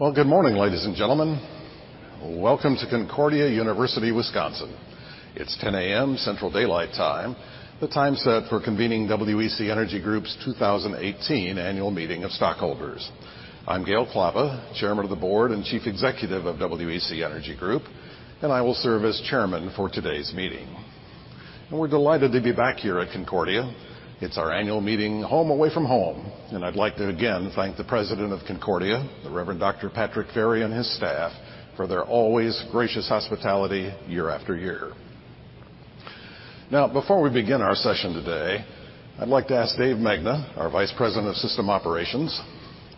Well, good morning, ladies and gentlemen. Welcome to Concordia University Wisconsin. It's 10:00 A.M., Central Daylight Time, the time set for convening WEC Energy Group's 2018 annual meeting of stockholders. I'm Gale Klappa, Chairman of the Board and Chief Executive of WEC Energy Group, and I will serve as Chairman for today's meeting. We're delighted to be back here at Concordia. It's our annual meeting home away from home, and I'd like to again thank the President of Concordia, the Reverend Dr. Patrick Ferry and his staff, for their always gracious hospitality year after year. Now, before we begin our session today, I'd like to ask Dave Megna, our Vice President of System Operations,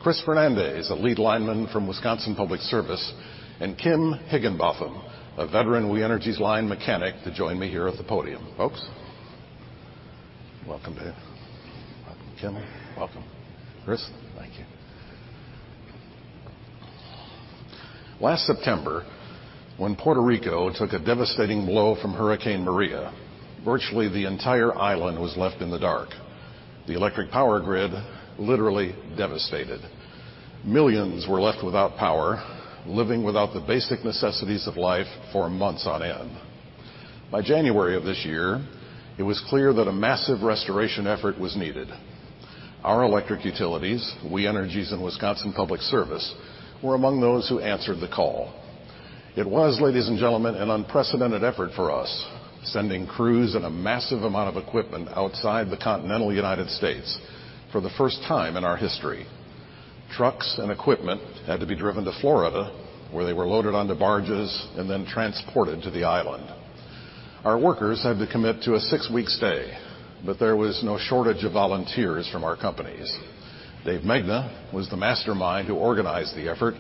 Chris Fernandez, a lead lineman from Wisconsin Public Service, and Kim Higginbotham, a veteran We Energies line mechanic, to join me here at the podium. Folks, Welcome Dave. Welcome, Kim. Welcome, Chris. Thank you. Last September, when Puerto Rico took a devastating blow from Hurricane Maria, virtually the entire island was left in the dark, the electric power grid literally devastated. Millions were left without power, living without the basic necessities of life for months on end. By January of this year, it was clear that a massive restoration effort was needed. Our electric utilities, We Energies and Wisconsin Public Service, were among those who answered the call. It was, ladies and gentlemen, an unprecedented effort for us, sending crews and a massive amount of equipment outside the continental United States for the first time in our history. Trucks and equipment had to be driven to Florida, where they were loaded onto barges and then transported to the island. Our workers had to commit to a six-week stay, but there was no shortage of volunteers from our companies. Dave Megna was the mastermind who organized the effort.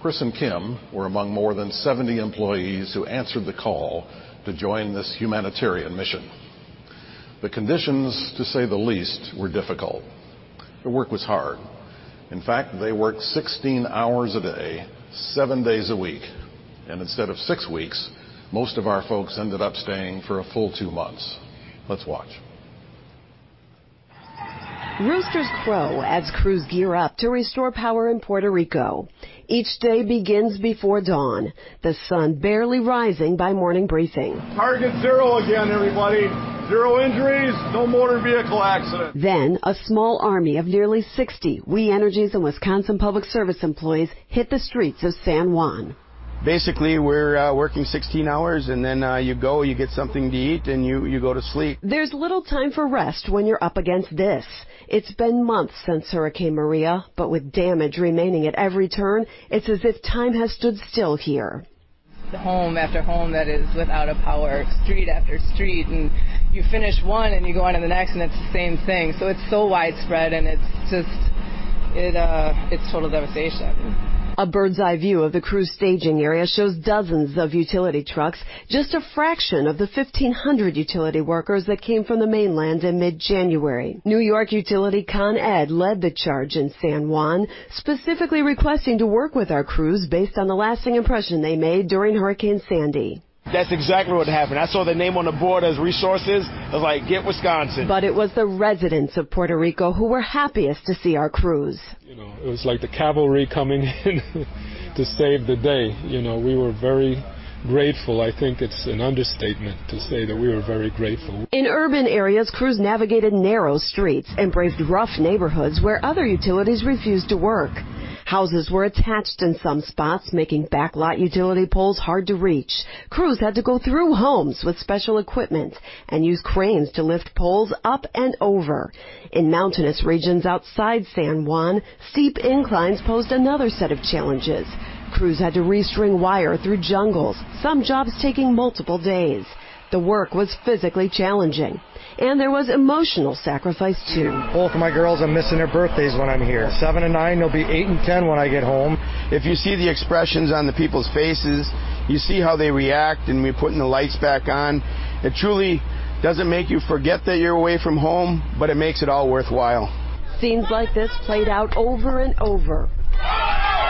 Chris and Kim were among more than 70 employees who answered the call to join this humanitarian mission. The conditions, to say the least, were difficult. The work was hard. In fact, they worked 16 hours a day, seven days a week. Instead of six weeks, most of our folks ended up staying for a full two months. Let's watch. Roosters crow as crews gear up to restore power in Puerto Rico. Each day begins before dawn, the sun barely rising by morning briefing. Target zero again, everybody. Zero injuries, no motor vehicle accidents. A small army of nearly 60 We Energies and Wisconsin Public Service employees hit the streets of San Juan. Basically, we're working 16 hours, and then you go, you get something to eat, and you go to sleep. There's little time for rest when you're up against this. It's been months since Hurricane Maria, but with damage remaining at every turn, it's as if time has stood still here. Home after home that is without power, street after street. You finish one, and you go onto the next, it's the same thing. It's so widespread, and it's total devastation. A bird's-eye view of the crew staging area shows dozens of utility trucks, just a fraction of the 1,500 utility workers that came from the mainland in mid-January. New York utility Con Edison led the charge in San Juan, specifically requesting to work with our crews based on the lasting impression they made during Hurricane Sandy. That's exactly what happened. I saw the name on the board as resources. I was like, "Get Wisconsin. It was the residents of Puerto Rico who were happiest to see our crews. It was like the cavalry coming in to save the day. We were very grateful. I think it's an understatement to say that we were very grateful. In urban areas, crews navigated narrow streets and braved rough neighborhoods where other utilities refused to work. Houses were attached in some spots, making backlot utility poles hard to reach. Crews had to go through homes with special equipment and use cranes to lift poles up and over. In mountainous regions outside San Juan, steep inclines posed another set of challenges. Crews had to restring wire through jungles, some jobs taking multiple days. The work was physically challenging, and there was emotional sacrifice, too. Both my girls, I'm missing their birthdays when I'm here. seven and nine. They'll be eight and 10 when I get home. If you see the expressions on the people's faces, you see how they react when we're putting the lights back on. It truly doesn't make you forget that you're away from home, but it makes it all worthwhile. Scenes like this played out over and over. Residents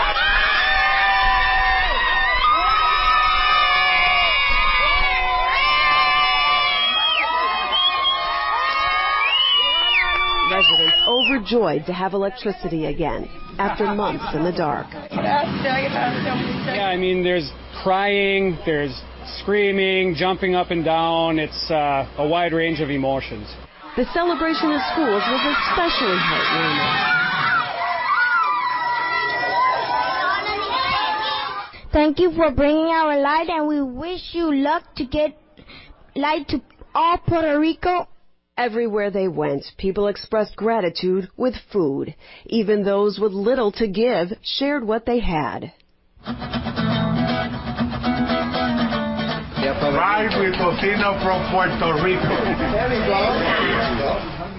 overjoyed to have electricity again after months in the dark. What else do you have to say? Yeah, there's crying, there's screaming, jumping up and down. It's a wide range of emotions. The celebration in schools was especially heartwarming. Thank you for bringing our light, and we wish you luck to get light to all Puerto Rico. Everywhere they went, people expressed gratitude with food. Even those with little to give shared what they had. Try Recaito from Puerto Rico. There we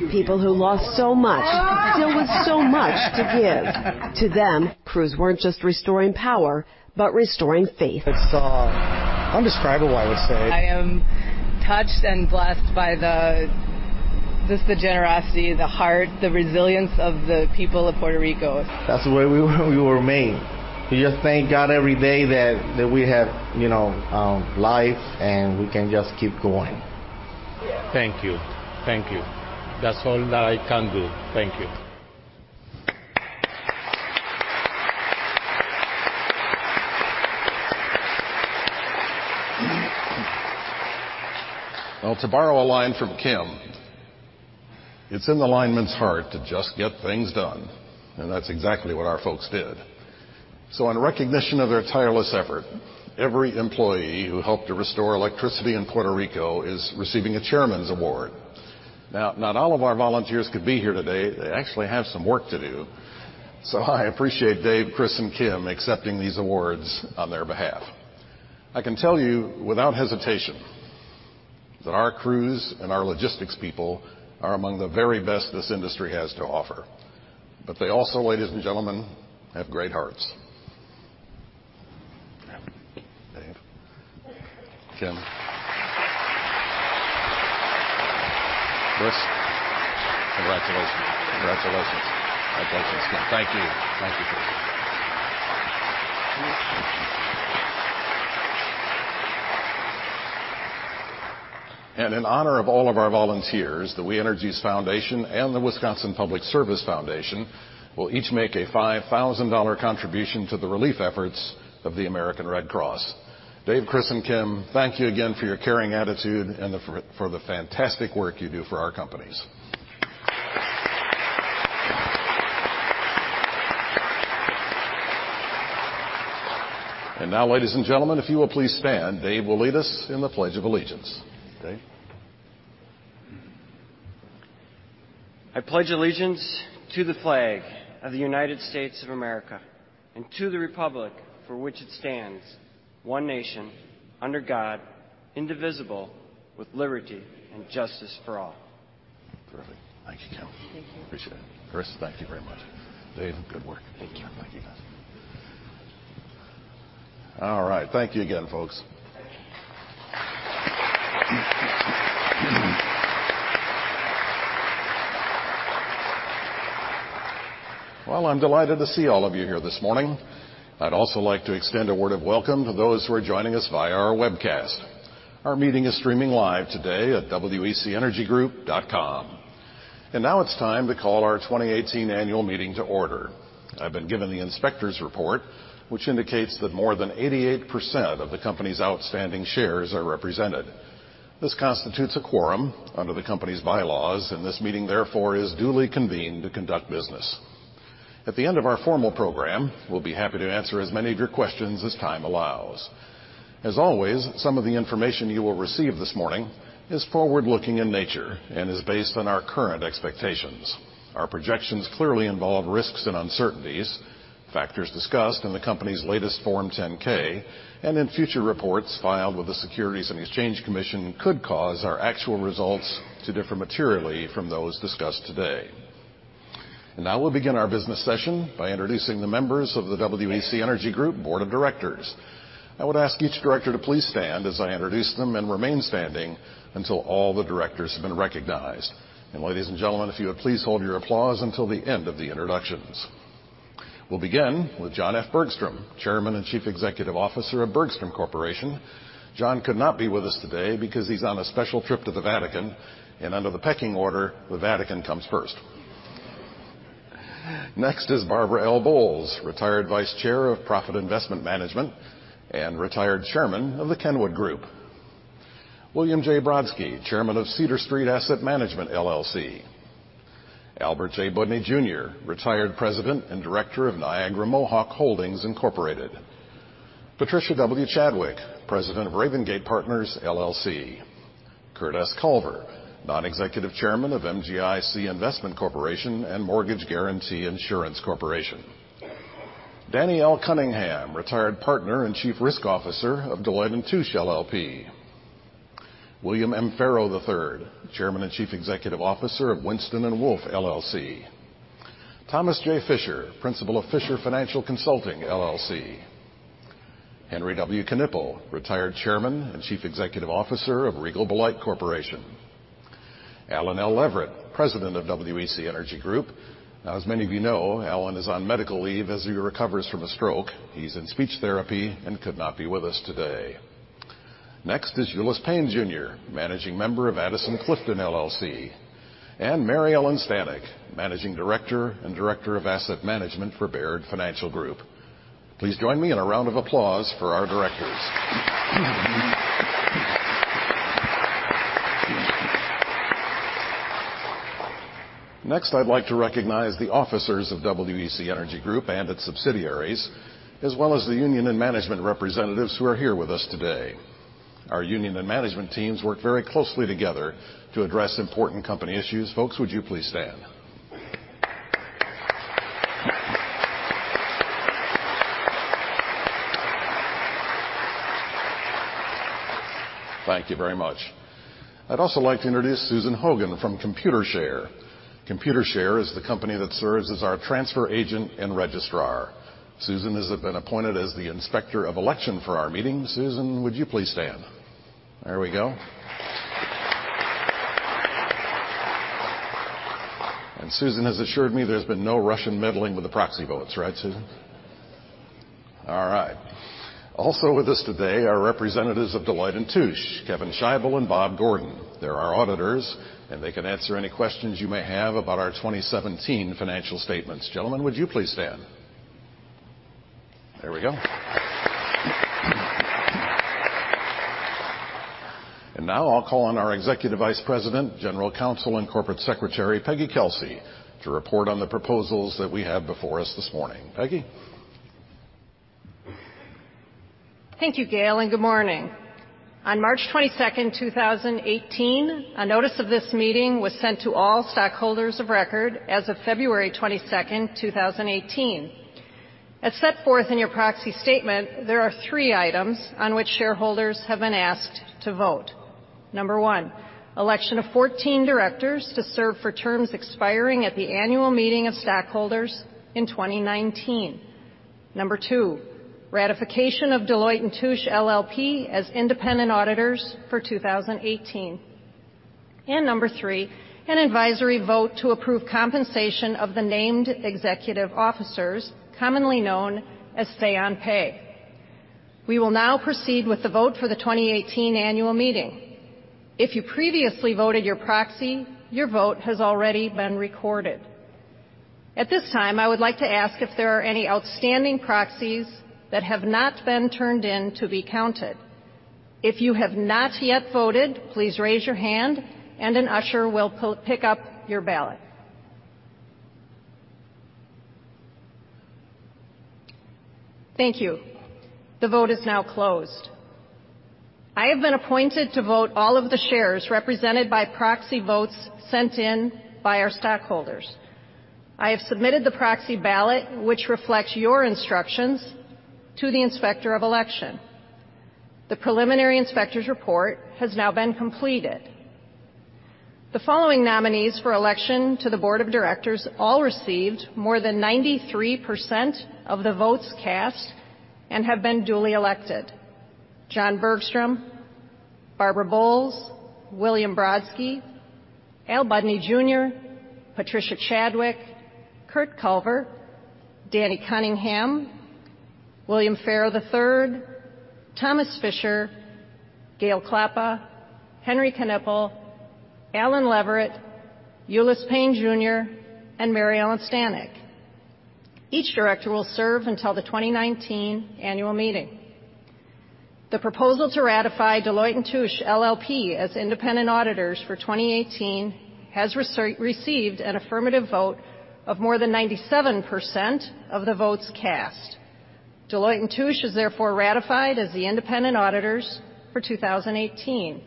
go. People who lost so much still with so much to give. To them, crews weren't just restoring power, but restoring faith. It's indescribable, I would say. I am touched and blessed by just the generosity, the heart, the resilience of the people of Puerto Rico. That's the way we were made. We just thank God every day that we have life, and we can just keep going. Thank you. Thank you. That's all that I can do. Thank you. Well, to borrow a line from Kim, it's in the lineman's heart to just get things done, and that's exactly what our folks did. On recognition of their tireless effort, every employee who helped to restore electricity in Puerto Rico is receiving a Chairman's Award. Not all of our volunteers could be here today. They actually have some work to do. I appreciate Dave, Chris, and Kim accepting these awards on their behalf. I can tell you without hesitation that our crews and our logistics people are among the very best this industry has to offer. They also, ladies and gentlemen, have great hearts. Dave. Kim. Chris. Congratulations. Congratulations. Congratulations, Kim. Thank you. Thank you, Chris. In honor of all of our volunteers, the We Energies Foundation and the Wisconsin Public Service Foundation will each make a $5,000 contribution to the relief efforts of the American Red Cross. Dave, Chris, and Kim, thank you again for your caring attitude and for the fantastic work you do for our companies. Now, ladies and gentlemen, if you will please stand, Dave will lead us in the pledge of allegiance. Dave? I pledge allegiance to the flag of the United States of America and to the Republic for which it stands, one nation under God, indivisible, with liberty and justice for all. Perfect. Thank you, Kim. Thank you. Appreciate it. Chris, thank you very much. Dave, good work. Thank you. Thank you, guys. All right. Thank you again, folks. Well, I'm delighted to see all of you here this morning. I'd also like to extend a word of welcome to those who are joining us via our webcast. Our meeting is streaming live today at wecenergygroup.com. Now it's time to call our 2018 annual meeting to order. I've been given the inspector's report, which indicates that more than 88% of the company's outstanding shares are represented. This constitutes a quorum under the company's bylaws, and this meeting, therefore, is duly convened to conduct business. At the end of our formal program, we'll be happy to answer as many of your questions as time allows. As always, some of the information you will receive this morning is forward-looking in nature and is based on our current expectations. Our projections clearly involve risks and uncertainties, factors discussed in the company's latest Form 10-K and in future reports filed with the Securities and Exchange Commission could cause our actual results to differ materially from those discussed today. Now we'll begin our business session by introducing the members of the WEC Energy Group Board of Directors. I would ask each director to please stand as I introduce them and remain standing until all the directors have been recognized. Ladies and gentlemen, if you would please hold your applause until the end of the introductions. We'll begin with John F. Bergstrom, Chairman and Chief Executive Officer of Bergstrom Corporation. John could not be with us today because he's on a special trip to the Vatican, and under the pecking order, the Vatican comes first. Next is Barbara L. Bowles, Retired Vice Chair of Profit Investment Management and Retired Chairman of The Kenwood Group. William J. Brodsky, Chairman of Cedar Street Asset Management, LLC. Albert J. Budny Jr., Retired President and Director of Niagara Mohawk Holdings, Incorporated. Patricia W. Chadwick, President of Ravengate Partners, LLC. Curt S. Culver, Non-Executive Chairman of MGIC Investment Corporation and Mortgage Guaranty Insurance Corporation. Danielle Cunningham, Retired Partner and Chief Risk Officer of Deloitte & Touche, LP. William M. Farrow III, Chairman and Chief Executive Officer of Winston & Strawn LLP. Thomas J. Fischer, Principal of Fischer Financial Consulting LLC. Henry W. Knueppel, Retired Chairman and Chief Executive Officer of Regal Beloit Corporation. Alan L. Leveritt, President of WEC Energy Group. As many of you know, Alan is on medical leave as he recovers from a stroke. He's in speech therapy and could not be with us today. Next is Ulice Payne Jr., Managing Member of Addison-Clifton, LLC. Mary Ellen Stanek, Managing Director and Director of Asset Management for Baird Financial Group. Please join me in a round of applause for our directors. Next, I'd like to recognize the officers of WEC Energy Group and its subsidiaries, as well as the union and management representatives who are here with us today. Our union and management teams work very closely together to address important company issues. Folks, would you please stand? Thank you very much. I'd also like to introduce Susan Hogan from Computershare. Computershare is the company that serves as our transfer agent and registrar. Susan has been appointed as the Inspector of Election for our meeting. Susan, would you please stand? There we go. Susan has assured me there's been no Russian meddling with the proxy votes. Right, Susan? All right. Also with us today are representatives of Deloitte & Touche, Kevin Scheibel and Bob Gordon. They're our auditors, and they can answer any questions you may have about our 2017 financial statements. Gentlemen, would you please stand? There we go. Now I'll call on our Executive Vice President, General Counsel, and Corporate Secretary, Peggy Kelsey, to report on the proposals that we have before us this morning. Peggy? Thank you, Gale, and good morning. On March 22nd, 2018, a notice of this meeting was sent to all stockholders of record as of February 22nd, 2018. As set forth in your proxy statement, there are three items on which shareholders have been asked to vote. Number one, election of 14 directors to serve for terms expiring at the annual meeting of stockholders in 2019. Number two, ratification of Deloitte & Touche LLP as independent auditors for 2018. Number three, an advisory vote to approve compensation of the named executive officers, commonly known as say on pay. We will now proceed with the vote for the 2018 annual meeting. If you previously voted your proxy, your vote has already been recorded. At this time, I would like to ask if there are any outstanding proxies that have not been turned in to be counted. If you have not yet voted, please raise your hand and an usher will pick up your ballot. Thank you. The vote is now closed. I have been appointed to vote all of the shares represented by proxy votes sent in by our stockholders. I have submitted the proxy ballot, which reflects your instructions to the Inspector of Election. The preliminary inspector's report has now been completed. The following nominees for election to the board of directors all received more than 93% of the votes cast and have been duly elected. John Bergstrom, Barbara Bowles, William Brodsky, Al Budny Jr., Patricia Chadwick, Curt Culver, Danny Cunningham, William Farrow III, Thomas Fischer, Gale Klappa, Henry Knueppel, Allen Leverett, Ulice Payne Jr., and Mary Ellen Stanek. Each director will serve until the 2019 annual meeting. The proposal to ratify Deloitte & Touche LLP as independent auditors for 2018 has received an affirmative vote of more than 97% of the votes cast. Deloitte & Touche is therefore ratified as the independent auditors for 2018.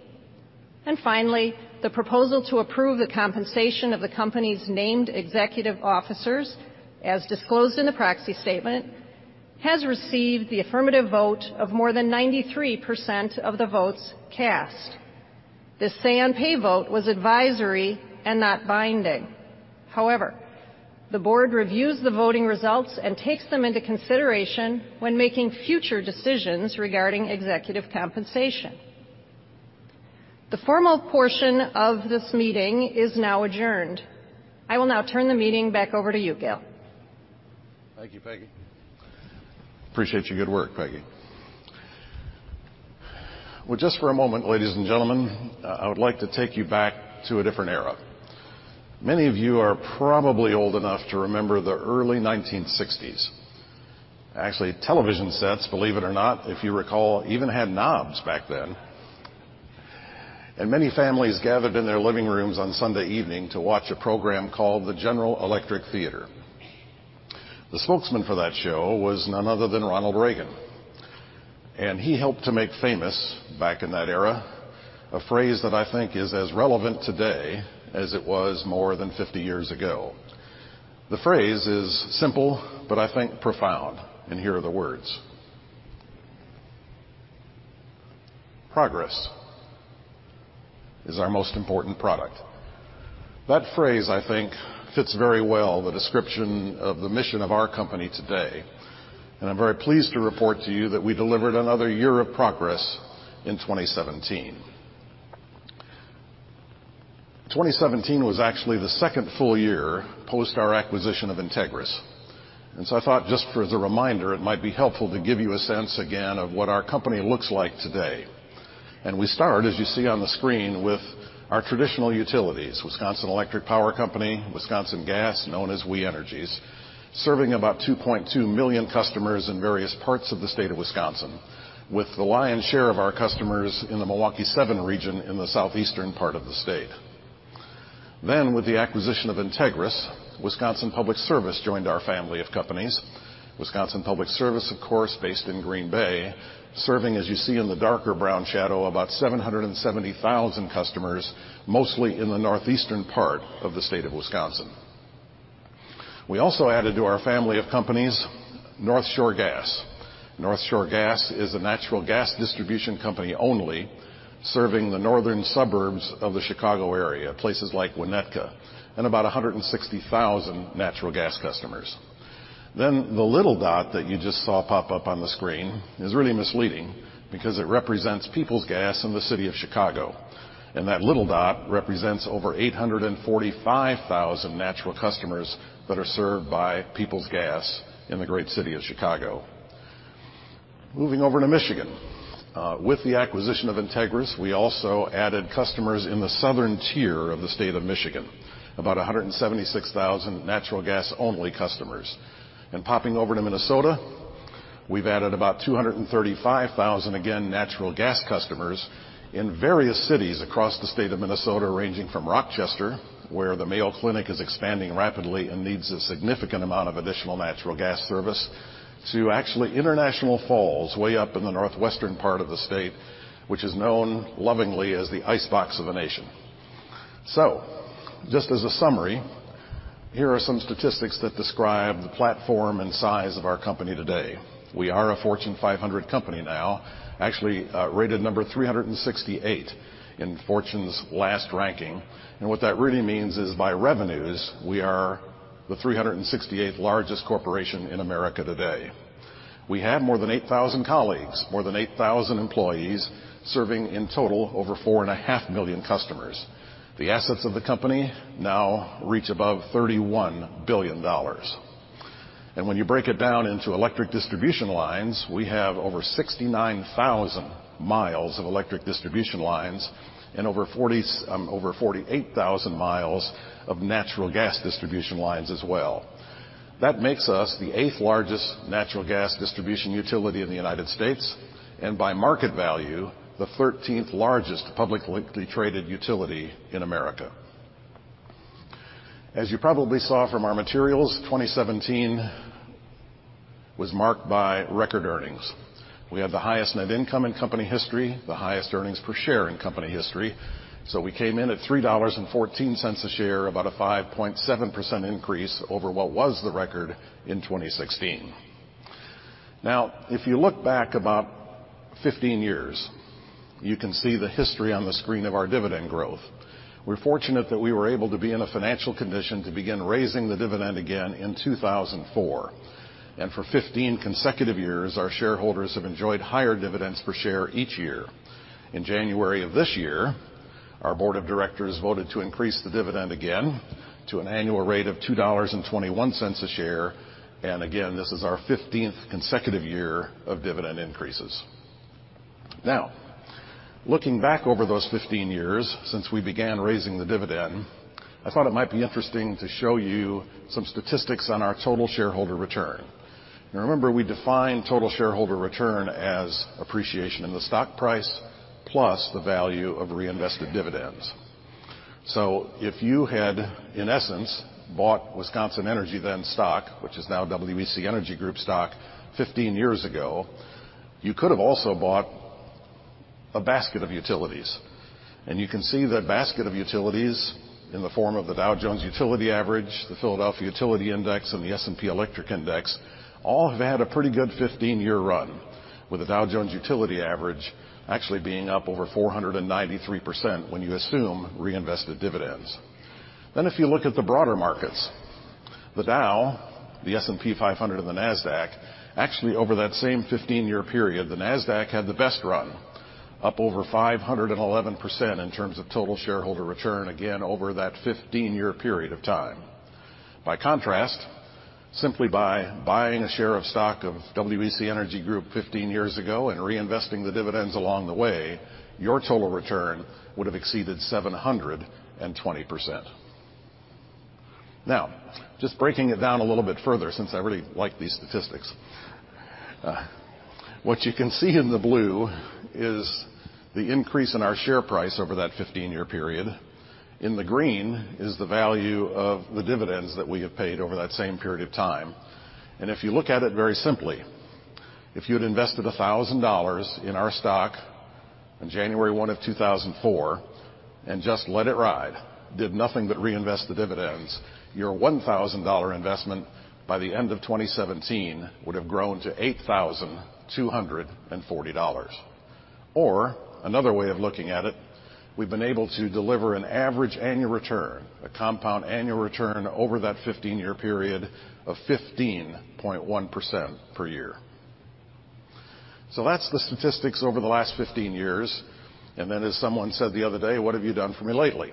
Finally, the proposal to approve the compensation of the company's named executive officers, as disclosed in the proxy statement, has received the affirmative vote of more than 93% of the votes cast. This say on pay vote was advisory and not binding. However, the board reviews the voting results and takes them into consideration when making future decisions regarding executive compensation. The formal portion of this meeting is now adjourned. I will now turn the meeting back over to you, Gale. Thank you, Peggy. Appreciate your good work, Peggy. Well, just for a moment, ladies and gentlemen, I would like to take you back to a different era. Many of you are probably old enough to remember the early 1960s. Actually, television sets, believe it or not, if you recall, even had knobs back then. Many families gathered in their living rooms on Sunday evening to watch a program called "The General Electric Theater." The spokesman for that show was none other than Ronald Reagan, and he helped to make famous, back in that era, a phrase that I think is as relevant today as it was more than 50 years ago. The phrase is simple, but I think profound, and here are the words. Progress is our most important product." That phrase, I think, fits very well the description of the mission of our company today, and I'm very pleased to report to you that we delivered another year of progress in 2017. 2017 was actually the second full year post our acquisition of Integrys. I thought, just for as a reminder, it might be helpful to give you a sense again of what our company looks like today. We start, as you see on the screen, with our traditional utilities, Wisconsin Electric Power Company, Wisconsin Gas, known as We Energies, serving about 2.2 million customers in various parts of the state of Wisconsin, with the lion's share of our customers in the Milwaukee 7 region in the southeastern part of the state. With the acquisition of Integrys, Wisconsin Public Service joined our family of companies. Wisconsin Public Service, of course, based in Green Bay, serving, as you see in the darker brown shadow, about 770,000 customers, mostly in the northeastern part of the state of Wisconsin. We also added to our family of companies North Shore Gas. North Shore Gas is a natural gas distribution company only, serving the northern suburbs of the Chicago area, places like Winnetka, and about 160,000 natural gas customers. The little dot that you just saw pop up on the screen is really misleading because it represents Peoples Gas in the city of Chicago, and that little dot represents over 845,000 natural customers that are served by Peoples Gas in the great city of Chicago. Moving over to Michigan. With the acquisition of Integrys, we also added customers in the southern tier of the state of Michigan, about 176,000 natural gas-only customers. Popping over to Minnesota, we've added about 235,000, again, natural gas customers in various cities across the state of Minnesota, ranging from Rochester, where the Mayo Clinic is expanding rapidly and needs a significant amount of additional natural gas service, to actually International Falls, way up in the northwestern part of the state, which is known lovingly as the ice box of the nation. Just as a summary, here are some statistics that describe the platform and size of our company today. We are a Fortune 500 company now, actually rated number 368 in Fortune's last ranking. What that really means is by revenues, we are the 368th largest corporation in America today. We have more than 8,000 colleagues, more than 8,000 employees, serving in total over four and a half million customers. The assets of the company now reach above $31 billion. When you break it down into electric distribution lines, we have over 69,000 miles of electric distribution lines and over 48,000 miles of natural gas distribution lines as well. That makes us the eighth largest natural gas distribution utility in the U.S., and by market value, the 13th largest publicly traded utility in America. As you probably saw from our materials, 2017 was marked by record earnings. We had the highest net income in company history, the highest earnings per share in company history. We came in at $3.14 a share, about a 5.7% increase over what was the record in 2016. If you look back about 15 years, you can see the history on the screen of our dividend growth. We're fortunate that we were able to be in a financial condition to begin raising the dividend again in 2004. For 15 consecutive years, our shareholders have enjoyed higher dividends per share each year. In January of this year, our board of directors voted to increase the dividend again to an annual rate of $2.21 a share. Again, this is our 15th consecutive year of dividend increases. Looking back over those 15 years since we began raising the dividend, I thought it might be interesting to show you some statistics on our total shareholder return. Remember, we define total shareholder return as appreciation in the stock price plus the value of reinvested dividends. If you had, in essence, bought Wisconsin Energy then stock, which is now WEC Energy Group stock, 15 years ago, you could have also bought a basket of utilities. You can see that basket of utilities in the form of the Dow Jones Utility Average, the PHLX Utility Sector Index, and the S&P 500 Electric Utilities Index, all have had a pretty good 15-year run, with the Dow Jones Utility Average actually being up over 493% when you assume reinvested dividends. If you look at the broader markets, the Dow, the S&P 500, and the Nasdaq, actually, over that same 15-year period, the Nasdaq had the best run, up over 511% in terms of total shareholder return, again, over that 15-year period of time. By contrast, simply by buying a share of stock of WEC Energy Group 15 years ago and reinvesting the dividends along the way, your total return would have exceeded 720%. Just breaking it down a little bit further since I really like these statistics. What you can see in the blue is the increase in our share price over that 15-year period. In the green is the value of the dividends that we have paid over that same period of time. If you look at it very simply, if you'd invested $1,000 in our stock on January 1 of 2004 and just let it ride, did nothing but reinvest the dividends, your $1,000 investment by the end of 2017 would have grown to $8,240. Another way of looking at it, we've been able to deliver an average annual return, a compound annual return over that 15-year period of 15.1% per year. That's the statistics over the last 15 years. As someone said the other day, "What have you done for me lately?"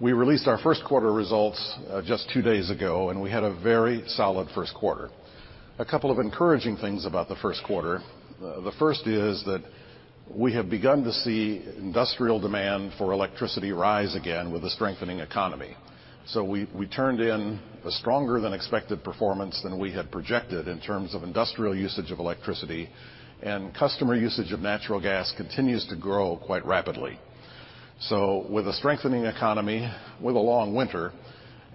We released our first quarter results just two days ago, and we had a very solid first quarter. A couple of encouraging things about the first quarter. The first is that we have begun to see industrial demand for electricity rise again with the strengthening economy. We turned in a stronger than expected performance than we had projected in terms of industrial usage of electricity, and customer usage of natural gas continues to grow quite rapidly. With a strengthening economy, with a long winter,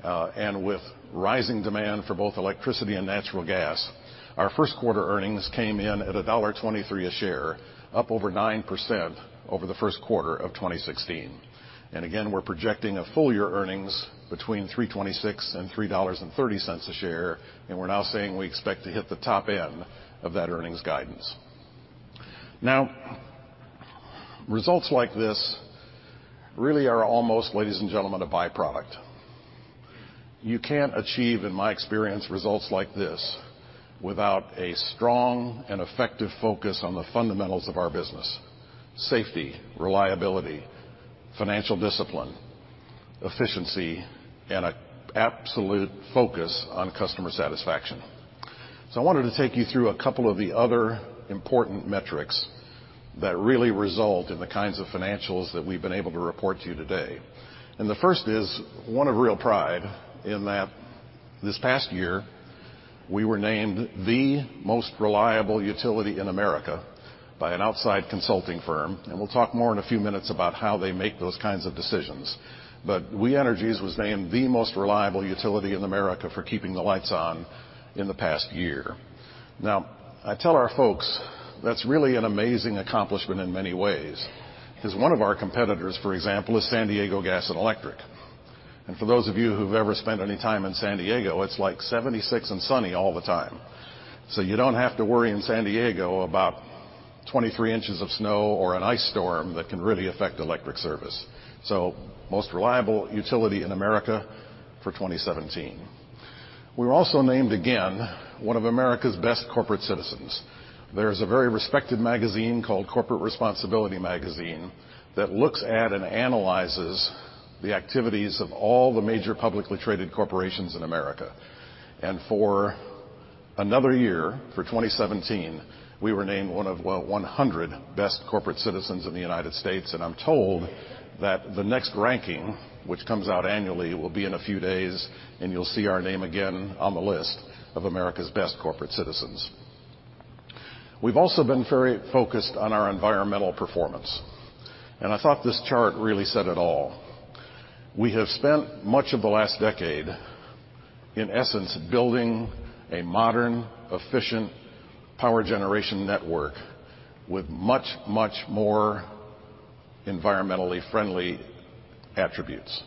and with rising demand for both electricity and natural gas, our first quarter earnings came in at $1.23 a share, up over 9% over the first quarter of 2016. Again, we're projecting a full year earnings between $3.26 and $3.30 a share, and we're now saying we expect to hit the top end of that earnings guidance. Results like this really are almost, ladies and gentlemen, a byproduct. You can't achieve, in my experience, results like this without a strong and effective focus on the fundamentals of our business: safety, reliability, financial discipline, efficiency, and an absolute focus on customer satisfaction. I wanted to take you through a couple of the other important metrics that really result in the kinds of financials that we've been able to report to you today. The first is one of real pride in that this past year, we were named the most reliable utility in America by an outside consulting firm, and we'll talk more in a few minutes about how they make those kinds of decisions. We Energies was named the most reliable utility in America for keeping the lights on in the past year. I tell our folks that's really an amazing accomplishment in many ways, because one of our competitors, for example, is San Diego Gas & Electric. For those of you who've ever spent any time in San Diego, it's like 76 and sunny all the time. You don't have to worry in San Diego about 23 inches of snow or an ice storm that can really affect electric service. Most reliable utility in America for 2017. We were also named again one of America's best Corporate Citizens. There's a very respected magazine called Corporate Responsibility Magazine that looks at and analyzes the activities of all the major publicly traded corporations in America. For another year, for 2017, we were named one of 100 Best Corporate Citizens in the U.S. I'm told that the next ranking, which comes out annually, will be in a few days, you'll see our name again on the list of America's Best Corporate Citizens. We've also been very focused on our environmental performance. I thought this chart really said it all. We have spent much of the last decade, in essence, building a modern, efficient power generation network with much more environmentally friendly attributes.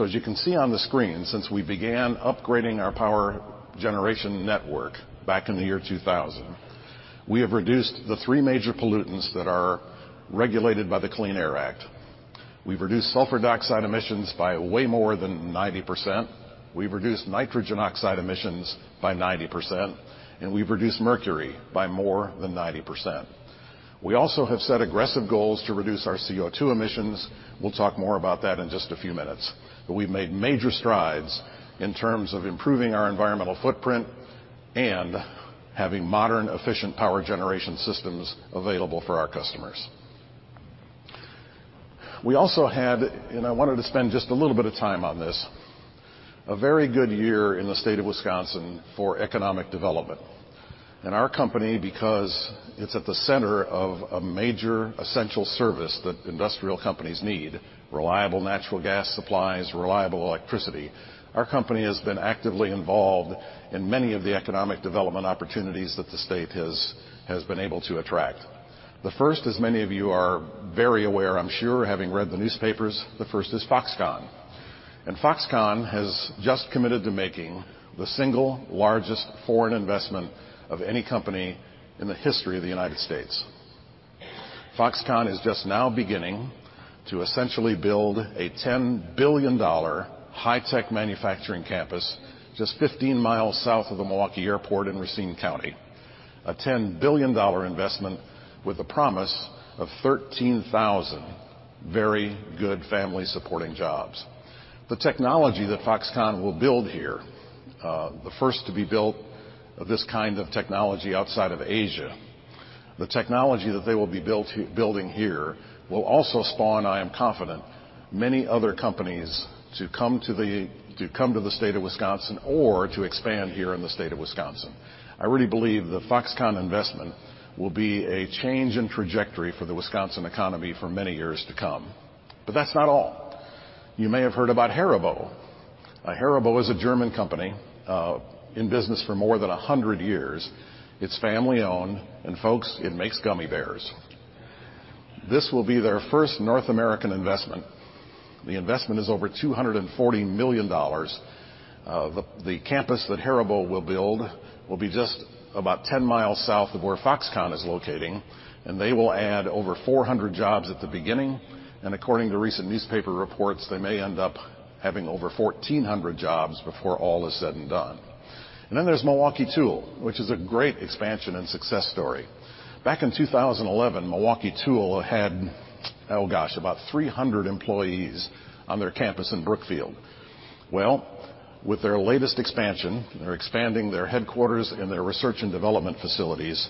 As you can see on the screen, since we began upgrading our power generation network back in the year 2000, we have reduced the three major pollutants that are regulated by the Clean Air Act. We've reduced sulfur dioxide emissions by way more than 90%, we've reduced nitrogen oxide emissions by 90%, we've reduced mercury by more than 90%. We also have set aggressive goals to reduce our CO2 emissions. We'll talk more about that in just a few minutes. We've made major strides in terms of improving our environmental footprint and having modern, efficient power generation systems available for our customers. We also had, I wanted to spend just a little bit of time on this, a very good year in the state of Wisconsin for economic development. Our company, because it is at the center of a major essential service that industrial companies need, reliable natural gas supplies, reliable electricity, has been actively involved in many of the economic development opportunities that the state has been able to attract. The first, as many of you are very aware, I'm sure, having read the newspapers, the first is Foxconn. Foxconn has just committed to making the single largest foreign investment of any company in the history of the U.S. Foxconn is just now beginning to essentially build a $10 billion high-tech manufacturing campus just 15 miles south of the Milwaukee Airport in Racine County, a $10 billion investment with the promise of 13,000 very good family-supporting jobs. The technology that Foxconn will build here, the first to be built of this kind of technology outside of Asia, will also spawn, I am confident, many other companies to come to the state of Wisconsin or to expand here in the state of Wisconsin. I really believe the Foxconn investment will be a change in trajectory for the Wisconsin economy for many years to come. That's not all. You may have heard about Haribo. Haribo is a German company in business for more than 100 years. It's family-owned. Folks, it makes gummy bears. This will be their first North American investment. The investment is over $240 million. The campus that Haribo will build will be just about 10 miles south of where Foxconn is locating, they will add over 400 jobs at the beginning. According to recent newspaper reports, they may end up having over 1,400 jobs before all is said and done. There's Milwaukee Tool, which is a great expansion and success story. Back in 2011, Milwaukee Tool had about 300 employees on their campus in Brookfield. Well, with their latest expansion, they are expanding their headquarters and their research and development facilities.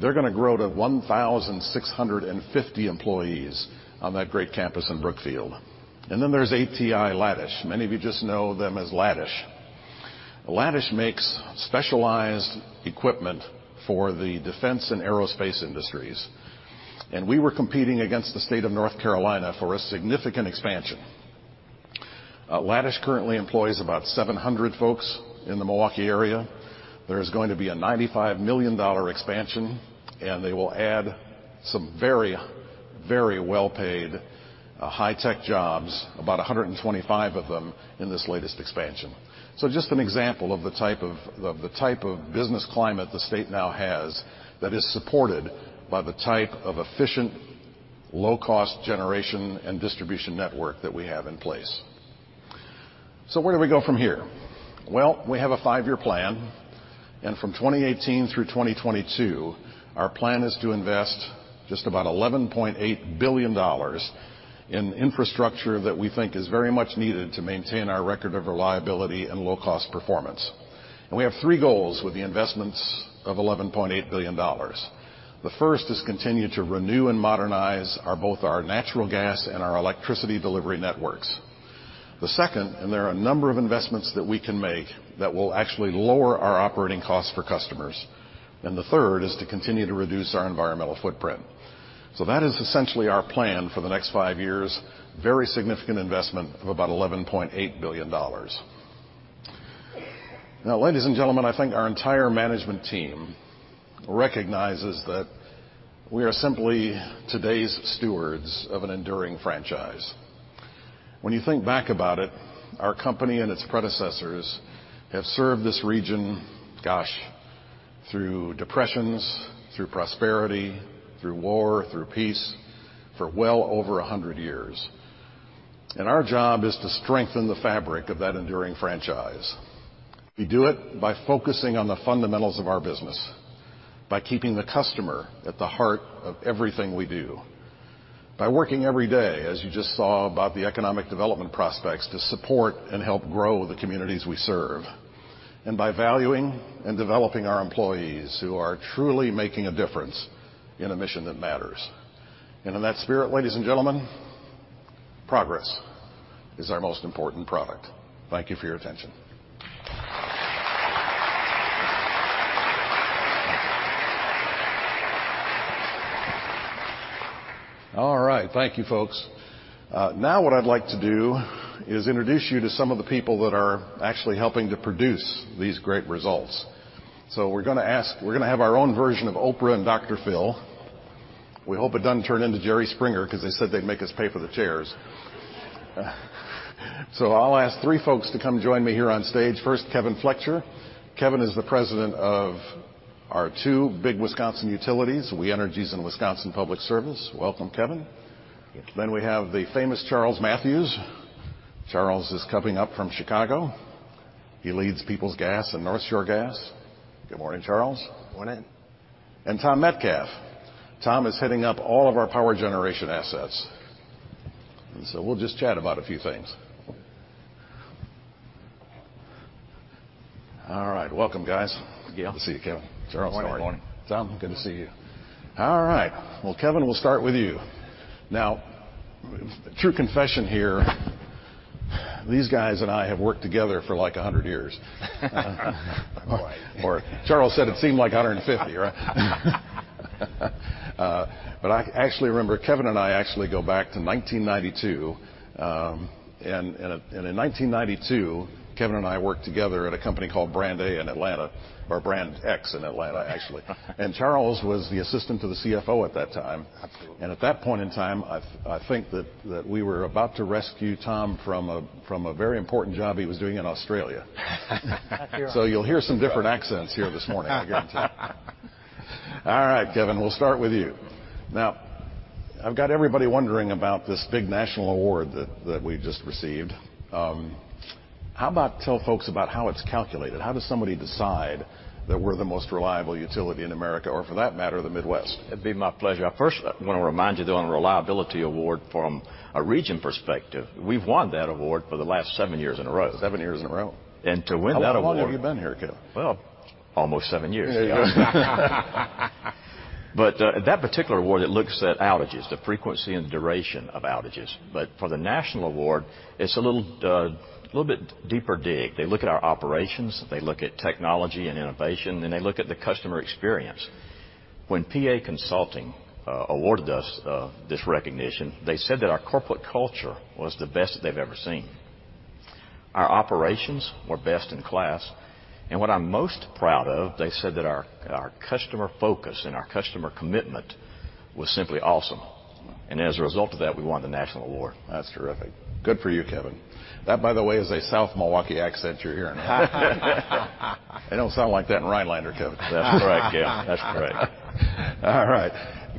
They are going to grow to 1,650 employees on that great campus in Brookfield. Then there is ATI Ladish. Many of you just know them as Lattice. Lattice makes specialized equipment for the defense and aerospace industries. We were competing against the state of North Carolina for a significant expansion. Lattice currently employs about 700 folks in the Milwaukee area. There is going to be a $95 million expansion, and they will add some very well-paid high-tech jobs, about 125 of them in this latest expansion. Just an example of the type of business climate the state now has that is supported by the type of efficient low-cost generation and distribution network that we have in place. Where do we go from here? Well, we have a five-year plan, and from 2018 through 2022, our plan is to invest just about $11.8 billion in infrastructure that we think is very much needed to maintain our record of reliability and low-cost performance. We have three goals with the investments of $11.8 billion. The first is continue to renew and modernize both our natural gas and our electricity delivery networks. The second, there are a number of investments that we can make that will actually lower our operating costs for customers. The third is to continue to reduce our environmental footprint. That is essentially our plan for the next five years. Very significant investment of about $11.8 billion. Now, ladies and gentlemen, I think our entire management team recognizes that we are simply today's stewards of an enduring franchise. When you think back about it, our company and its predecessors have served this region, gosh, through depressions, through prosperity, through war, through peace, for well over 100 years. Our job is to strengthen the fabric of that enduring franchise. We do it by focusing on the fundamentals of our business, by keeping the customer at the heart of everything we do, by working every day, as you just saw, about the economic development prospects to support and help grow the communities we serve, and by valuing and developing our employees, who are truly making a difference in a mission that matters. In that spirit, ladies and gentlemen, progress is our most important product. Thank you for your attention. All right. Thank you, folks. Now what I would like to do is introduce you to some of the people that are actually helping to produce these great results. We are going to have our own version of Oprah and Dr. Phil. We hope it does not turn into Jerry Springer, because they said they would make us pay for the chairs. I will ask three folks to come join me here on stage. First, Kevin Fletcher. Kevin is the president of our two big Wisconsin utilities, We Energies and Wisconsin Public Service. Welcome, Kevin. Thank you. We have the famous Charles Matthews. Charles is coming up from Chicago. He leads Peoples Gas and North Shore Gas. Good morning, Charles. Morning. Tom Metcalfe. Tom is heading up all of our power generation assets. We'll just chat about a few things. All right. Welcome, guys. Yeah. Good to see you, Kevin. Morning. Morning. Tom, good to see you. All right. Well, Kevin, we'll start with you. Now, true confession here, these guys and I have worked together for, like, 100 years. Right. Charles said it seemed like 150, right? I actually remember, Kevin and I actually go back to 1992. In 1992, Kevin and I worked together at a company called Brand A in Atlanta, or Brand X in Atlanta, actually. Charles was the assistant to the CFO at that time. Absolutely. At that point in time, I think that we were about to rescue Tom from a very important job he was doing in Australia. That's right. You'll hear some different accents here this morning, I guarantee. All right, Kevin, we'll start with you. Now, I've got everybody wondering about this big national award that we've just received. How about tell folks about how it's calculated? How does somebody decide that we're the most reliable utility in America, or for that matter, the Midwest? It'd be my pleasure. I first want to remind you, though, on the reliability award from a region perspective, we've won that award for the last seven years in a row. Seven years in a row. To win that award- How long have you been here, Kevin? Well, almost seven years. There you go. That particular award, it looks at outages, the frequency and duration of outages. For the national award, it's a little bit deeper dig. They look at our operations, they look at technology and innovation, and they look at the customer experience. When PA Consulting awarded us this recognition, they said that our corporate culture was the best that they've ever seen. Our operations were best in class. What I'm most proud of, they said that our customer focus and our customer commitment was simply awesome. As a result of that, we won the national award. That's terrific. Good for you, Kevin. That, by the way, is a South Milwaukee accent you're hearing. They don't sound like that in Rhinelander, Kevin. That's right, Gale. That's right. All right.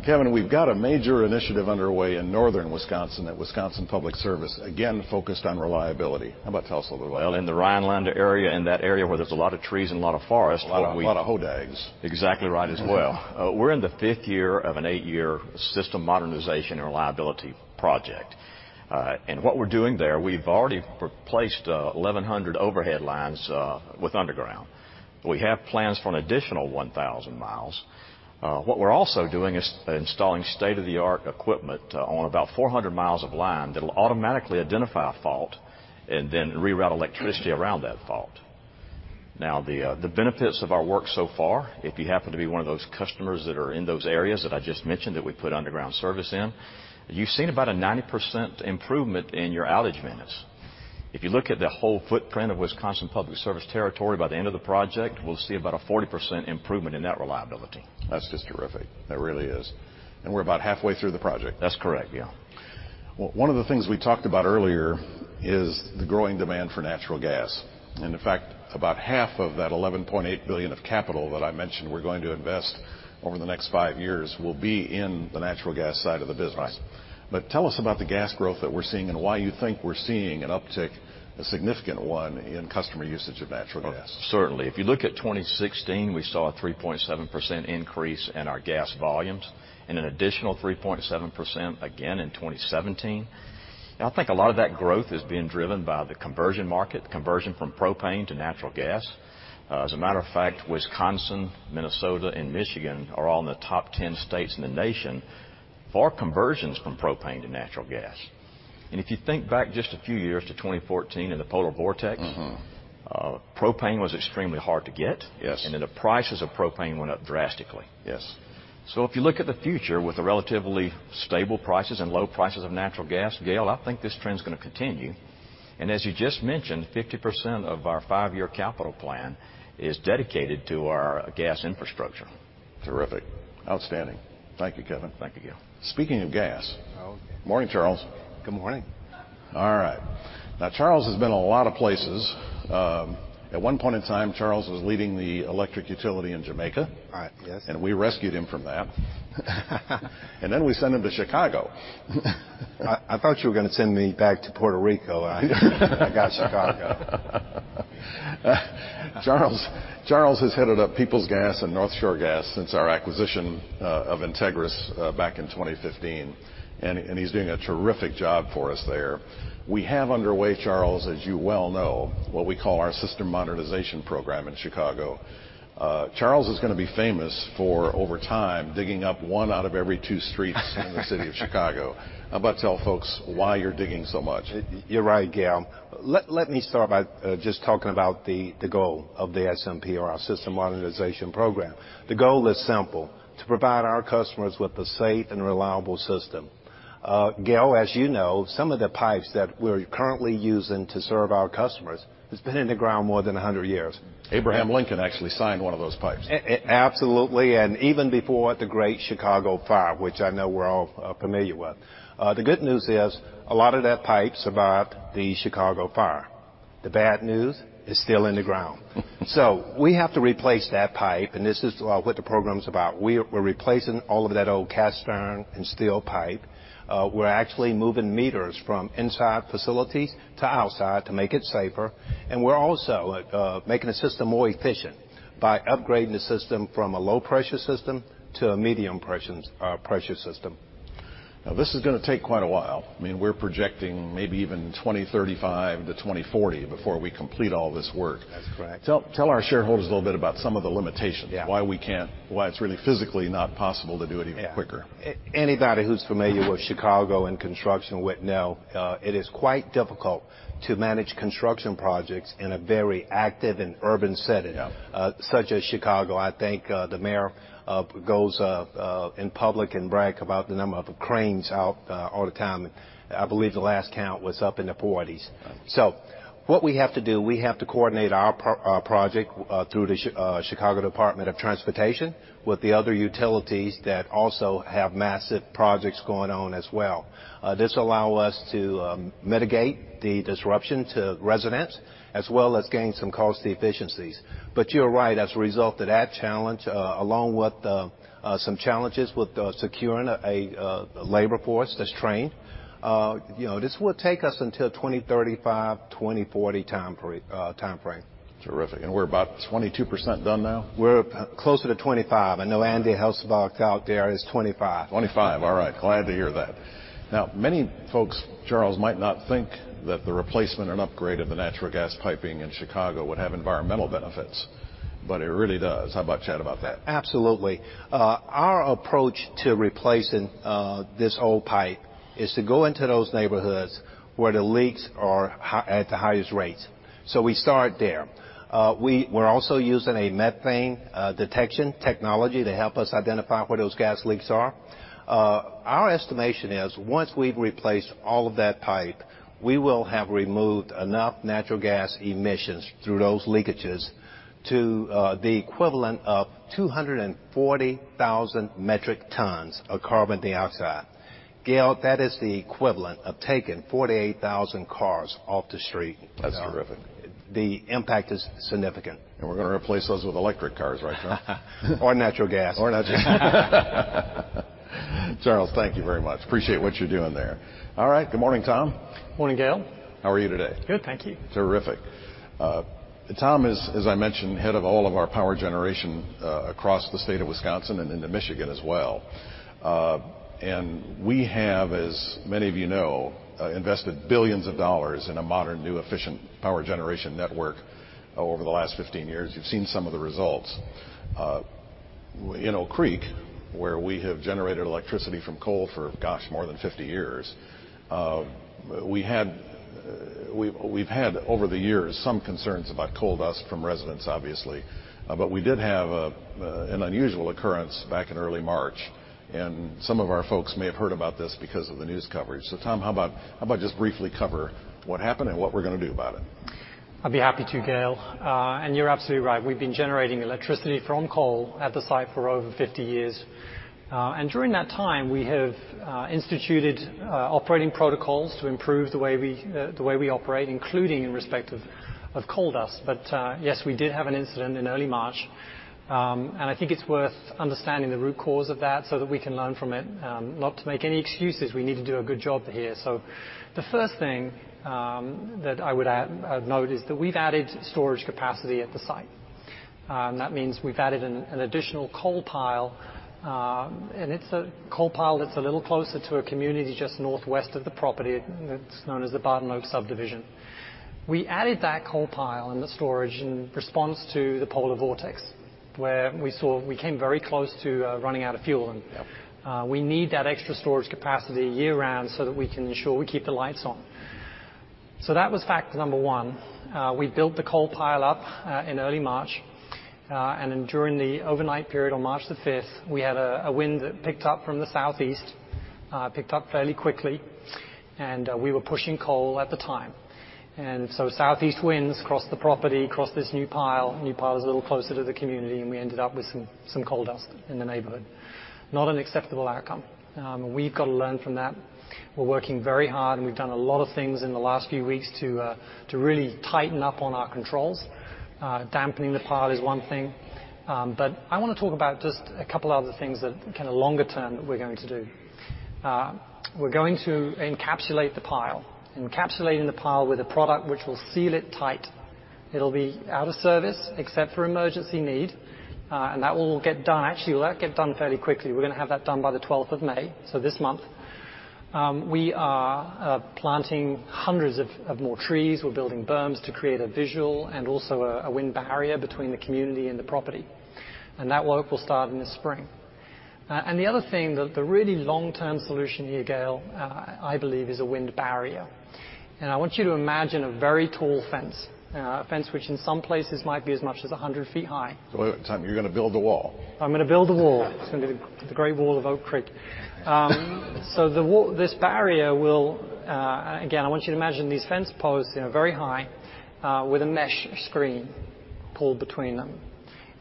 Kevin, we've got a major initiative underway in northern Wisconsin at Wisconsin Public Service, again, focused on reliability. How about tell us a little about it? Well, in the Rhinelander area, and that area where there's a lot of trees and a lot of forest. A lot of hodags. Exactly right as well. We're in the fifth year of an eight-year system modernization and reliability project. What we're doing there, we've already replaced 1,100 overhead lines with underground. We have plans for an additional 1,000 miles. What we're also doing is installing state-of-the-art equipment on about 400 miles of line that'll automatically identify a fault and then reroute electricity around that fault. The benefits of our work so far, if you happen to be one of those customers that are in those areas that I just mentioned that we put underground service in, you've seen about a 90% improvement in your outage minutes. If you look at the whole footprint of Wisconsin Public Service territory, by the end of the project, we'll see about a 40% improvement in net reliability. That's just terrific. That really is. We're about halfway through the project. That's correct, yeah. one of the things we talked about earlier is the growing demand for natural gas. In fact, about half of that $11.8 billion of capital that I mentioned we're going to invest over the next five years will be in the natural gas side of the business. Tell us about the gas growth that we're seeing and why you think we're seeing an uptick, a significant one, in customer usage of natural gas. Certainly. If you look at 2016, we saw a 3.7% increase in our gas volumes and an additional 3.7% again in 2017. I think a lot of that growth is being driven by the conversion market, conversion from propane to natural gas. As a matter of fact, Wisconsin, Minnesota, and Michigan are all in the top 10 states in the nation for conversions from propane to natural gas. If you think back just a few years to 2014 and the polar vortex. propane was extremely hard to get. Yes. Then the prices of propane went up drastically. Yes. If you look at the future with the relatively stable prices and low prices of natural gas, Gale, I think this trend's going to continue, and as you just mentioned, 50% of our five-year capital plan is dedicated to our gas infrastructure. Terrific. Outstanding. Thank you, Kevin. Thank you, Gale. Speaking of gas. Okay. Morning, Charles. Good morning. All right. Charles has been a lot of places. At one point in time, Charles was leading the electric utility in Jamaica. Right. Yes. We rescued him from that. Then we sent him to Chicago. I thought you were going to send me back to Puerto Rico. I got Chicago. Charles has headed up Peoples Gas and North Shore Gas since our acquisition of Integrys back in 2015, and he's doing a terrific job for us there. We have underway, Charles, as you well know, what we call our System Modernization Program in Chicago. Charles is going to be famous for, over time, digging up one out of every two streets in the city of Chicago. How about tell folks why you're digging so much. You're right, Gale. Let me start by just talking about the goal of the SMP, or our System Modernization Program. The goal is simple: to provide our customers with a safe and reliable system. Gale, as you know, some of the pipes that we're currently using to serve our customers has been in the ground more than 100 years. Abraham Lincoln actually signed one of those pipes. Absolutely, even before the Great Chicago Fire, which I know we're all familiar with. The good news is a lot of that pipe survived the Chicago Fire. The bad news, it's still in the ground. We have to replace that pipe, and this is what the program's about. We're replacing all of that old cast iron and steel pipe. We're actually moving meters from inside facilities to outside to make it safer, and we're also making the system more efficient by upgrading the system from a low-pressure system to a medium-pressure system. This is going to take quite a while. I mean, we're projecting maybe even 2035 to 2040 before we complete all this work. That's correct. Tell our shareholders a little bit about some of the limitations. Yeah. Why it's really physically not possible to do it even quicker. Yeah. Anybody who's familiar with Chicago and construction would know it is quite difficult to manage construction projects in a very active and urban setting. Yeah such as Chicago. I think the mayor goes in public and brag about the number of cranes out all the time. I believe the last count was up in the 40s. Right. What we have to do, we have to coordinate our project through the Chicago Department of Transportation with the other utilities that also have massive projects going on as well. This allow us to mitigate the disruption to residents as well as gain some costly efficiencies. You're right. As a result of that challenge, along with some challenges with securing a labor force that's trained, this will take us until 2035, 2040 timeframe. Terrific, we're about 22% done now? We're closer to 25. I know Andy Helsvark out there is 25. 25, all right. Glad to hear that. Many folks, Charles, might not think that the replacement and upgrade of the natural gas piping in Chicago would have environmental benefits, but it really does. How about chat about that? Absolutely. Our approach to replacing this old pipe is to go into those neighborhoods where the leaks are at the highest rates. We start there. We're also using a methane detection technology to help us identify where those gas leaks are. Our estimation is, once we've replaced all of that pipe, we will have removed enough natural gas emissions through those leakages to the equivalent of 240,000 metric tons of carbon dioxide. Gale, that is the equivalent of taking 48,000 cars off the street. That's terrific. The impact is significant. We're going to replace those with electric cars, right, Charles? Natural gas. Natural gas. Charles, thank you very much. Appreciate what you're doing there. All right, good morning, Tom. Morning, Gale. How are you today? Good, thank you. Terrific. Tom is, as I mentioned, head of all of our power generation across the state of Wisconsin and into Michigan as well. We have, as many of you know, invested billions of dollars in a modern, new, efficient power generation network over the last 15 years. You've seen some of the results. In Oak Creek, where we have generated electricity from coal for, gosh, more than 50 years, we've had, over the years, some concerns about coal dust from residents, obviously. We did have an unusual occurrence back in early March, and some of our folks may have heard about this because of the news coverage. Tom, how about just briefly cover what happened and what we're going to do about it? I'd be happy to, Gale. You're absolutely right. We've been generating electricity from coal at the site for over 50 years. During that time, we have instituted operating protocols to improve the way we operate, including in respect of coal dust. Yes, we did have an incident in early March, and I think it's worth understanding the root cause of that so that we can learn from it. Not to make any excuses. We need to do a good job here. The first thing that I would note is that we've added storage capacity at the site. That means we've added an additional coal pile, and it's a coal pile that's a little closer to a community just northwest of the property. It's known as the Barton Oak Subdivision. We added that coal pile and the storage in response to the polar vortex, where we saw we came very close to running out of fuel. Yep. We need that extra storage capacity year-round so that we can ensure we keep the lights on. That was factor number one. We built the coal pile up in early March. During the overnight period on March the 5th, we had a wind that picked up from the southeast, picked up fairly quickly, and we were pushing coal at the time. Southeast winds crossed the property, crossed this new pile. New pile was a little closer to the community, and we ended up with some coal dust in the neighborhood. Not an acceptable outcome. We've got to learn from that. We're working very hard, and we've done a lot of things in the last few weeks to really tighten up on our controls. Dampening the pile is one thing. I want to talk about just a couple other things that kind of longer term that we're going to do. We're going to encapsulate the pile. Encapsulating the pile with a product which will seal it tight. It'll be out of service except for emergency need, and that will get done. Actually, we'll let it get done fairly quickly. We're going to have that done by the 12th of May, so this month. We are planting hundreds of more trees. We're building berms to create a visual and also a wind barrier between the community and the property, and that work will start in the spring. The other thing that the really long-term solution here, Gale, I believe, is a wind barrier. I want you to imagine a very tall fence. A fence which in some places might be as much as 100 feet high. Wait, Tom, you're going to build a wall? I'm going to build a wall. It's going to be the Great Wall of Oak Creek. This barrier will Again, I want you to imagine these fence posts, very high, with a mesh screen pulled between them.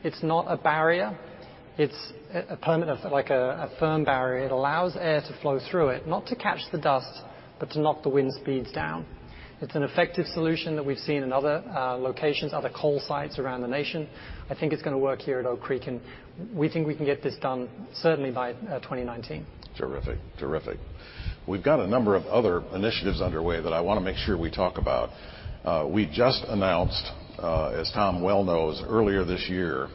It's not a barrier. It's a permanent, like a firm barrier. It allows air to flow through it, not to catch the dust, but to knock the wind speeds down. It's an effective solution that we've seen in other locations, other coal sites around the nation. I think it's going to work here at Oak Creek, and we think we can get this done certainly by 2019. Terrific. Terrific. We've got a number of other initiatives underway that I want to make sure we talk about. We just announced, as Tom well knows, earlier this year,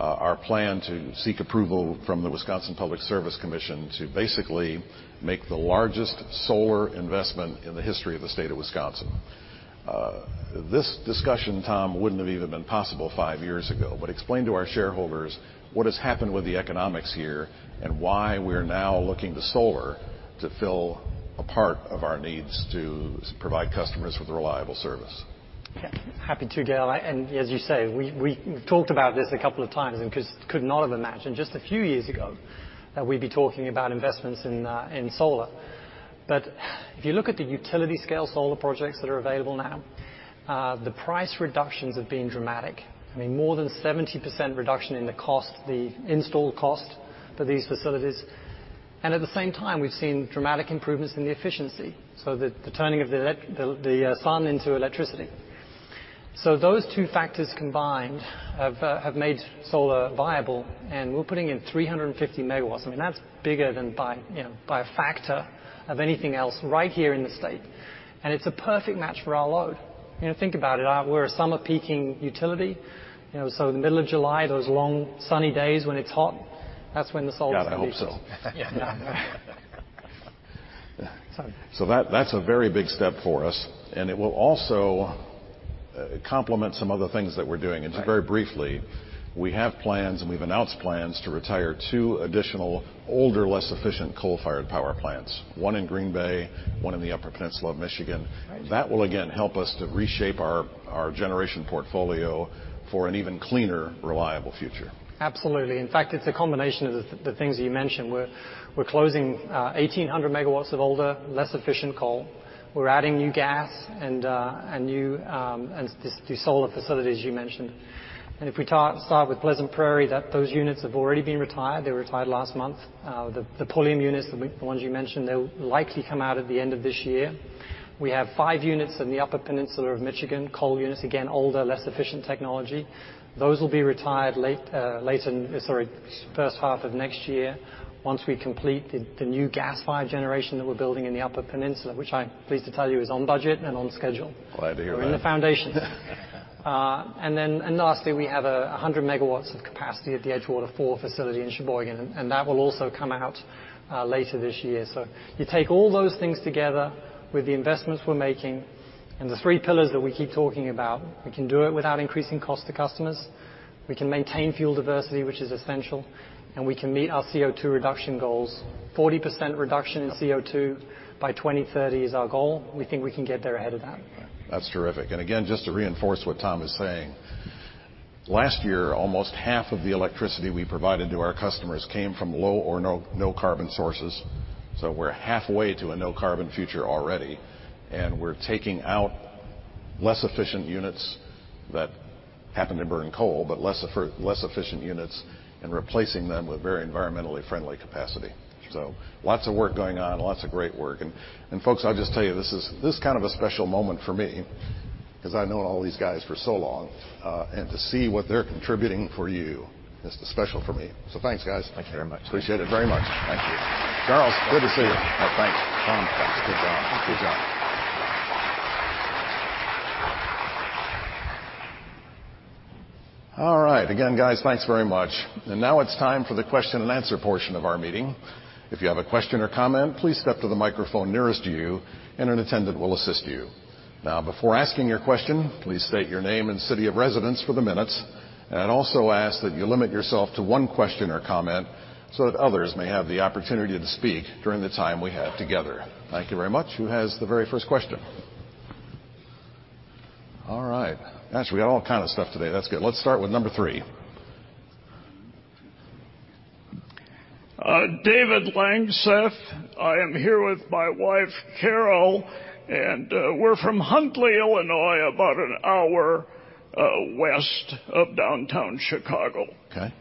our plan to seek approval from the Wisconsin Public Service Commission to basically make the largest solar investment in the history of the state of Wisconsin. This discussion, Tom, wouldn't have even been possible five years ago. Explain to our shareholders what has happened with the economics here and why we're now looking to solar to fill a part of our needs to provide customers with reliable service. Happy to, Gale. As you say, we've talked about this a couple of times and could not have imagined just a few years ago that we'd be talking about investments in solar. If you look at the utility scale solar projects that are available now, the price reductions have been dramatic. I mean, more than 70% reduction in the cost, the install cost for these facilities. At the same time, we've seen dramatic improvements in the efficiency, so the turning of the sun into electricity. Those two factors combined have made solar viable, and we're putting in 350 megawatts. I mean, that's bigger than by a factor of anything else right here in the state. It's a perfect match for our load. Think about it. We're a summer peaking utility. The middle of July, those long, sunny days when it's hot, that's when the solar's going to be- God, I hope so. Yeah. That's a very big step for us, and it will also complement some other things that we're doing. Right. Just very briefly, we have plans, and we've announced plans to retire two additional older, less efficient coal-fired power plants, one in Green Bay, one in the upper peninsula of Michigan. Right. That will again help us to reshape our generation portfolio for an even cleaner, reliable future. Absolutely. In fact, it's a combination of the things that you mentioned. We're closing 1,800 megawatts of older, less efficient coal. We're adding new gas and these solar facilities you mentioned. If we start with Pleasant Prairie, those units have already been retired. They retired last month. The Pulliam units, the ones you mentioned, they'll likely come out at the end of this year. We have five units in the upper peninsula of Michigan, coal units, again, older, less efficient technology. Those will be retired late in Sorry, first half of next year once we complete the new gas-fired generation that we're building in the upper peninsula, which I'm pleased to tell you is on budget and on schedule. Glad to hear that. Lastly, we have 100 MW of capacity at the Edgewater 4 facility in Sheboygan, and that will also come out later this year. You take all those things together with the investments we're making and the three pillars that we keep talking about. We can do it without increasing cost to customers. We can maintain fuel diversity, which is essential, and we can meet our CO2 reduction goals. 40% reduction in CO2 by 2030 is our goal. We think we can get there ahead of that. That's terrific. Again, just to reinforce what Tom is saying, last year, almost half of the electricity we provided to our customers came from low or no carbon sources. We're halfway to a no carbon future already, and we're taking out less efficient units that happen to burn coal, less efficient units and replacing them with very environmentally friendly capacity. Lots of work going on, lots of great work. Folks, I'll just tell you, this is kind of a special moment for me because I've known all these guys for so long. To see what they're contributing for you is special for me. Thanks, guys. Thank you very much. Appreciate it very much. Thank you. Charles, good to see you. Thanks. Tom, thanks. Good job. Thank you. Good job. All right. Again, guys, thanks very much. Now it's time for the question and answer portion of our meeting. If you have a question or comment, please step to the microphone nearest you, and an attendant will assist you. Now, before asking your question, please state your name and city of residence for the minutes. I'd also ask that you limit yourself to one question or comment so that others may have the opportunity to speak during the time we have together. Thank you very much. Who has the very first question? All right. Gosh, we got all kind of stuff today. That's good. Let's start with number three. David Langseth. I am here with my wife, Carol. We're from Huntley, Illinois, about an hour west of downtown Chicago. Okay.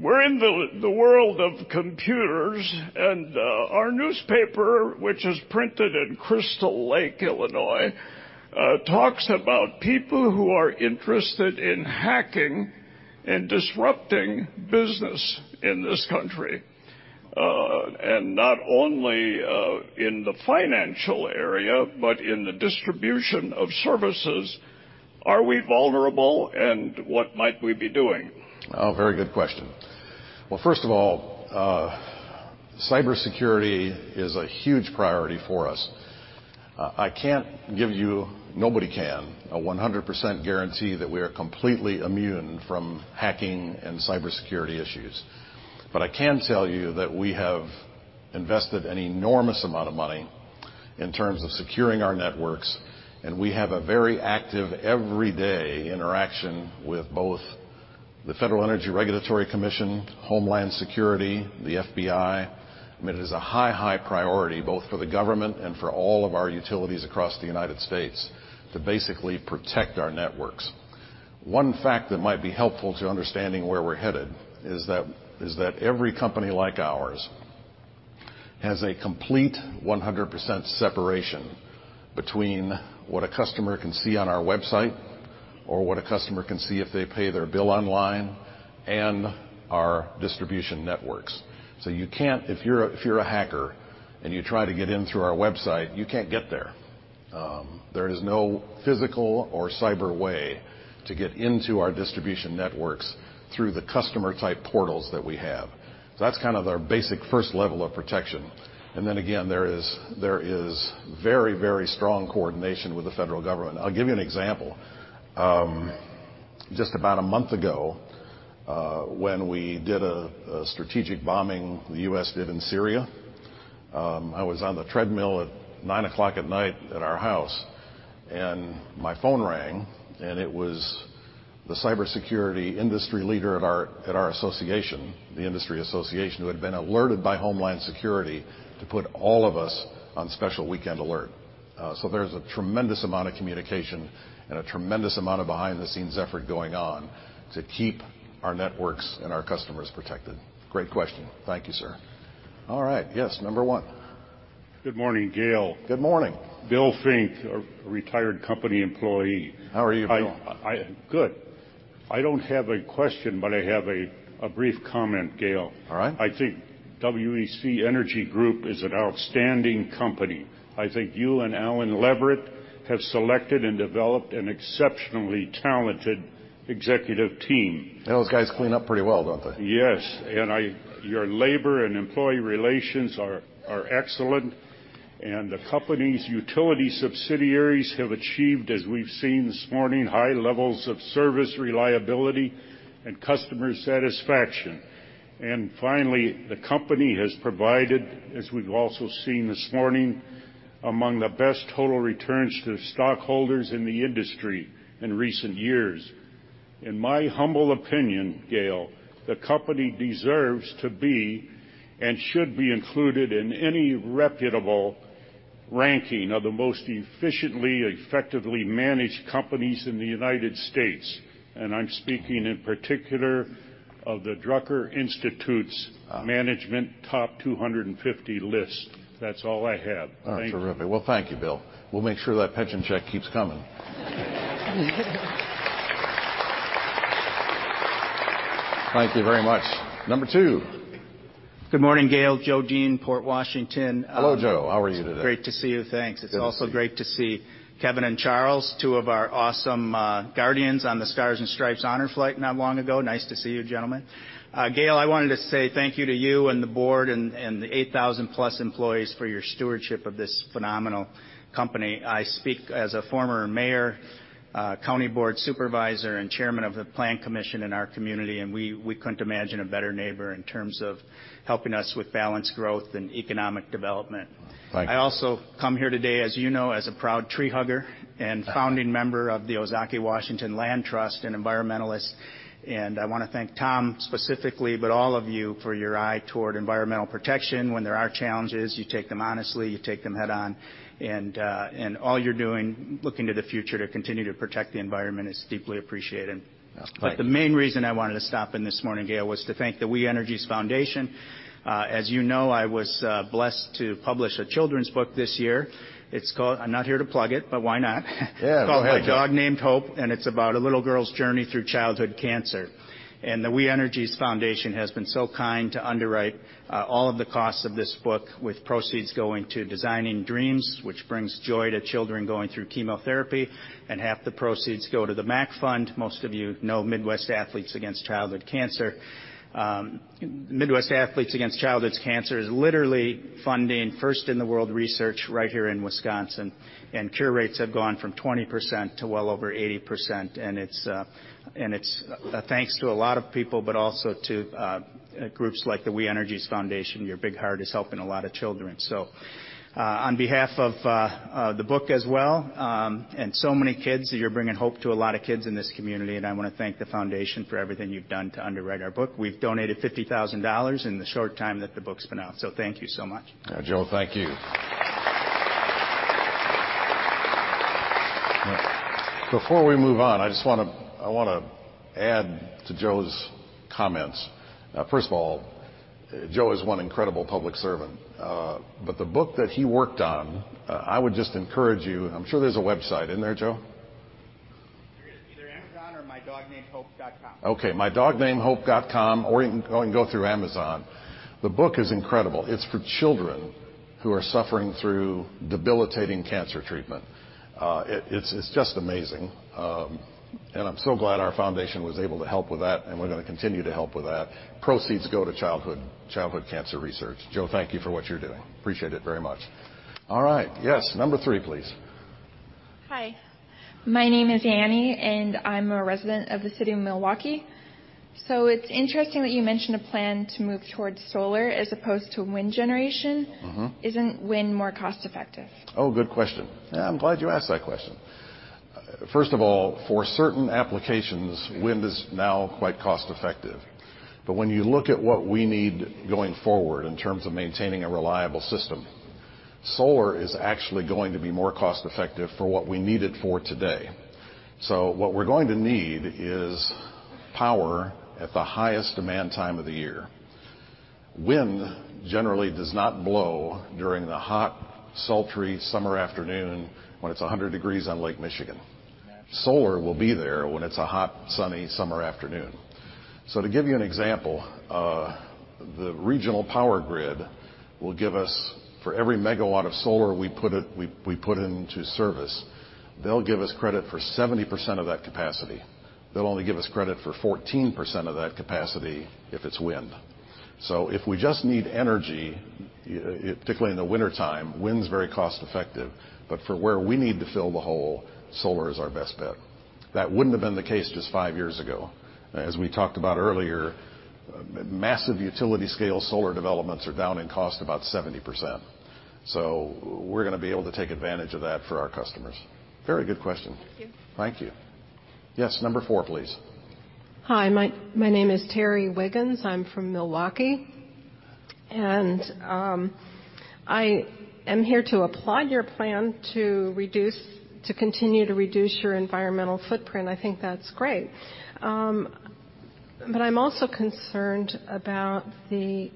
We're in the world of computers. Our newspaper, which is printed in Crystal Lake, Illinois, talks about people who are interested in hacking and disrupting business in this country. Not only in the financial area but in the distribution of services. Are we vulnerable, and what might we be doing? Well, first of all, cybersecurity is a huge priority for us. I can't give you, nobody can, a 100% guarantee that we are completely immune from hacking and cybersecurity issues. I can tell you that we have invested an enormous amount of money in terms of securing our networks, and we have a very active everyday interaction with both the Federal Energy Regulatory Commission, Homeland Security, the FBI. I mean, it is a high, high priority, both for the government and for all of our utilities across the U.S., to basically protect our networks. One fact that might be helpful to understanding where we're headed is that every company like ours has a complete 100% separation between what a customer can see on our website or what a customer can see if they pay their bill online and our distribution networks. If you're a hacker and you try to get in through our website, you can't get there. There is no physical or cyber way to get into our distribution networks through the customer-type portals that we have. That's kind of our basic first level of protection. Then again, there is very, very strong coordination with the federal government. I'll give you an example. Just about a month ago, when we did a strategic bombing, the U.S. did in Syria, I was on the treadmill at nine o'clock at night at our house, and my phone rang, and it was the cybersecurity industry leader at our association, the industry association, who had been alerted by Homeland Security to put all of us on special weekend alert. There's a tremendous amount of communication and a tremendous amount of behind-the-scenes effort going on to keep our networks and our customers protected. Great question. Thank you, sir. All right. Yes, number one. Good morning, Gale. Good morning. Bill Fink, a retired company employee. How are you, Bill? Good. I don't have a question, but I have a brief comment, Gale. All right. I think WEC Energy Group is an outstanding company. I think you and Allen Leverett have selected and developed an exceptionally talented executive team. Yeah, those guys clean up pretty well, don't they? Yes. Your labor and employee relations are excellent. The company's utility subsidiaries have achieved, as we've seen this morning, high levels of service reliability and customer satisfaction. Finally, the company has provided, as we've also seen this morning, among the best total returns to stockholders in the industry in recent years. In my humble opinion, Gale, the company deserves to be and should be included in any reputable ranking of the most efficiently, effectively managed companies in the United States. I'm speaking in particular of the Drucker Institute's Management Top 250 list. That's all I have. Thank you. Oh, terrific. Well, thank you, Bill. We'll make sure that pension check keeps coming. Thank you very much. Number two. Good morning, Gale. Joe Dean, Port Washington. Hello, Joe. How are you today? Great to see you. Thanks. Good to see you. It's also great to see Kevin and Charles, two of our awesome guardians on the Stars and Stripes Honor Flight not long ago. Nice to see you, gentlemen. Gale, I wanted to say thank you to you and the board and the 8,000-plus employees for your stewardship of this phenomenal company. I speak as a former mayor, county board supervisor, and chairman of the Plan Commission in our community. We couldn't imagine a better neighbor in terms of helping us with balanced growth and economic development. Thank you. I also come here today, as you know, as a proud tree hugger and founding member of the Ozaukee Washington Land Trust and environmentalist, and I want to thank Tom specifically, but all of you for your eye toward environmental protection. When there are challenges, you take them honestly, you take them head-on. All you're doing looking to the future to continue to protect the environment is deeply appreciated. Thank you. The main reason I wanted to stop in this morning, Gale, was to thank the We Energies Foundation. As you know, I was blessed to publish a children's book this year. I'm not here to plug it, but why not? Yeah. It's called "A Dog Called Hope," it's about a little girl's journey through childhood cancer. The We Energies Foundation has been so kind to underwrite all of the costs of this book with proceeds going to Designing Dreams, which brings joy to children going through chemotherapy, half the proceeds go to the MACC Fund. Most of you know Midwest Athletes Against Childhood Cancer. Midwest Athletes Against Childhood Cancer is literally funding first-in-the-world research right here in Wisconsin, cure rates have gone from 20% to well over 80%. It's thanks to a lot of people, but also to groups like the We Energies Foundation. Your big heart is helping a lot of children. On behalf of the book as well, so many kids, you're bringing hope to a lot of kids in this community, I want to thank the foundation for everything you've done to underwrite our book. We've donated $50,000 in the short time that the book's been out. Thank you so much. Joe, thank you. Before we move on, I just want to add to Joe's comments. First of all, Joe is one incredible public servant. The book that he worked on, I would just encourage you. I'm sure there's a website. Isn't there, Joe? There is either Amazon or mydognamedhope.com. Okay. mydognamedhope.com, or you can go through Amazon. The book is incredible. It's for children who are suffering through debilitating cancer treatment. It's just amazing. I'm so glad our foundation was able to help with that, and we're going to continue to help with that. Proceeds go to childhood cancer research. Joe, thank you for what you're doing. Appreciate it very much. All right. Yes, number 3, please. Hi, my name is Annie, and I'm a resident of the city of Milwaukee. It's interesting that you mentioned a plan to move towards solar as opposed to wind generation. Isn't wind more cost-effective? Good question. I'm glad you asked that question. First of all, for certain applications, wind is now quite cost-effective. When you look at what we need going forward in terms of maintaining a reliable system, solar is actually going to be more cost-effective for what we need it for today. What we're going to need is power at the highest demand time of the year. Wind generally does not blow during the hot, sultry summer afternoon when it's 100 degrees on Lake Michigan. Solar will be there when it's a hot, sunny summer afternoon. To give you an example, the regional power grid will give us, for every megawatt of solar we put into service, they'll give us credit for 70% of that capacity. They'll only give us credit for 14% of that capacity if it's wind. If we just need energy, particularly in the wintertime, wind's very cost-effective. For where we need to fill the hole, solar is our best bet. That wouldn't have been the case just five years ago. As we talked about earlier, massive utility-scale solar developments are down in cost about 70%. We're going to be able to take advantage of that for our customers. Very good question. Thank you. Thank you. Yes, number 4, please. Hi. My name is Terry Wiggins. I'm from Milwaukee. I am here to applaud your plan to continue to reduce your environmental footprint. I think that's great. I'm also concerned about the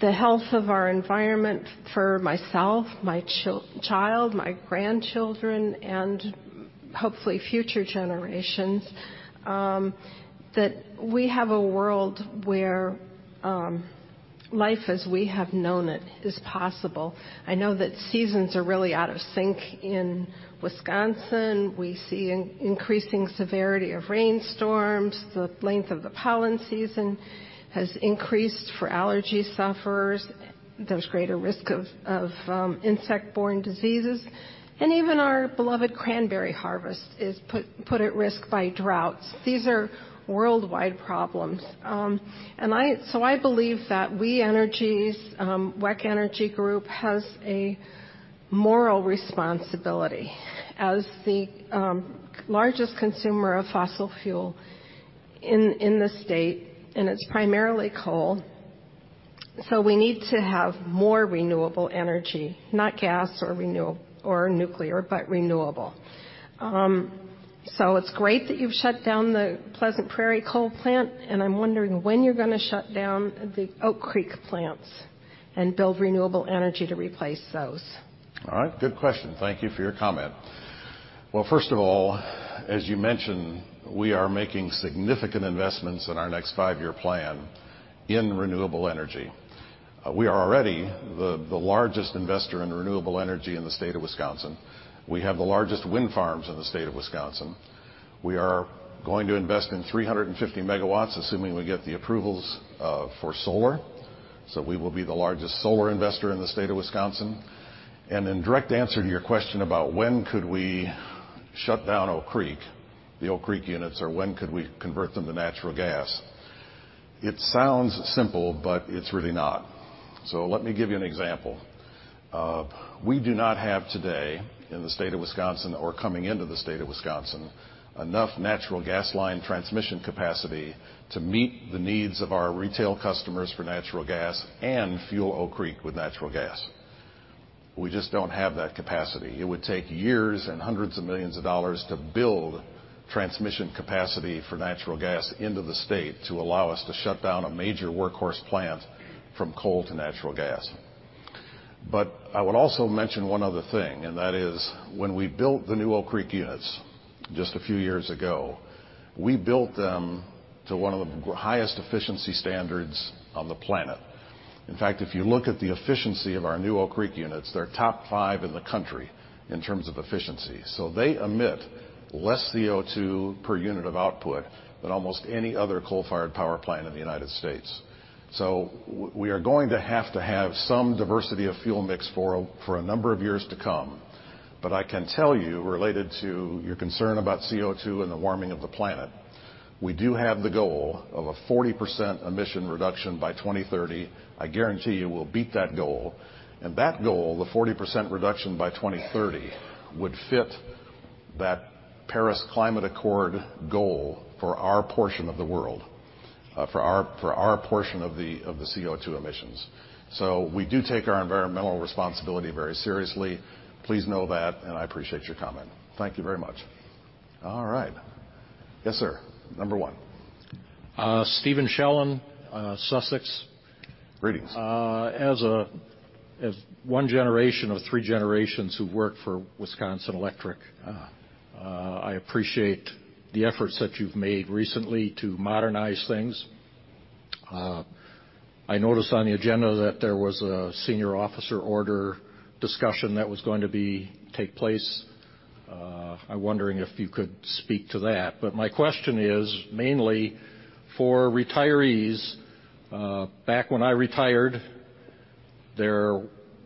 health of our environment for myself, my child, my grandchildren, and hopefully future generations, that we have a world where life as we have known it is possible. I know that seasons are really out of sync in Wisconsin. We see increasing severity of rainstorms. The length of the pollen season has increased for allergy sufferers. There's greater risk of insect-borne diseases, and even our beloved cranberry harvest is put at risk by droughts. These are worldwide problems. I believe that We Energies, WEC Energy Group has a moral responsibility as the largest consumer of fossil fuel in the state, and it's primarily coal. We need to have more renewable energy, not gas or nuclear, but renewable. It's great that you've shut down the Pleasant Prairie coal plant, and I'm wondering when you're going to shut down the Oak Creek plants and build renewable energy to replace those. All right. Good question. Thank you for your comment. First of all, as you mentioned, we are making significant investments in our next five-year plan in renewable energy. We are already the largest investor in renewable energy in the state of Wisconsin. We have the largest wind farms in the state of Wisconsin. We are going to invest in 350 megawatts, assuming we get the approvals for solar. We will be the largest solar investor in the state of Wisconsin. In direct answer to your question about when could we shut down Oak Creek, the Oak Creek units, or when could we convert them to natural gas, it sounds simple, but it's really not. Let me give you an example. We do not have today in the state of Wisconsin or coming into the state of Wisconsin, enough natural gas line transmission capacity to meet the needs of our retail customers for natural gas and fuel Oak Creek with natural gas. We just don't have that capacity. It would take years and $ hundreds of millions to build transmission capacity for natural gas into the state to allow us to shut down a major workhorse plant from coal to natural gas. I would also mention one other thing, that is when we built the new Oak Creek units just a few years ago, we built them to one of the highest efficiency standards on the planet. In fact, if you look at the efficiency of our new Oak Creek units, they're top five in the country in terms of efficiency. They emit less CO2 per unit of output than almost any other coal-fired power plant in the United States. We are going to have to have some diversity of fuel mix for a number of years to come. I can tell you, related to your concern about CO2 and the warming of the planet, we do have the goal of a 40% emission reduction by 2030. I guarantee you we'll beat that goal, and that goal, the 40% reduction by 2030, would fit that Paris Climate Accord goal for our portion of the world, for our portion of the CO2 emissions. We do take our environmental responsibility very seriously. Please know that, and I appreciate your comment. Thank you very much. All right. Yes, sir, number 1. Steven Shellen, Sussex. Greetings. As one generation of three generations who've worked for Wisconsin Electric, I appreciate the efforts that you've made recently to modernize things. I noticed on the agenda that there was a senior officer order discussion that was going to take place. I'm wondering if you could speak to that. My question is mainly for retirees. Back when I retired, there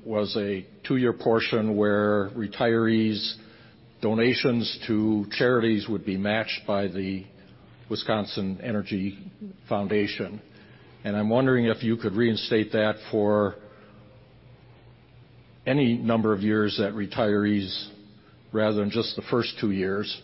was a two-year portion where retirees' donations to charities would be matched by the We Energies Foundation. I'm wondering if you could reinstate that for any number of years that retirees, rather than just the first two years.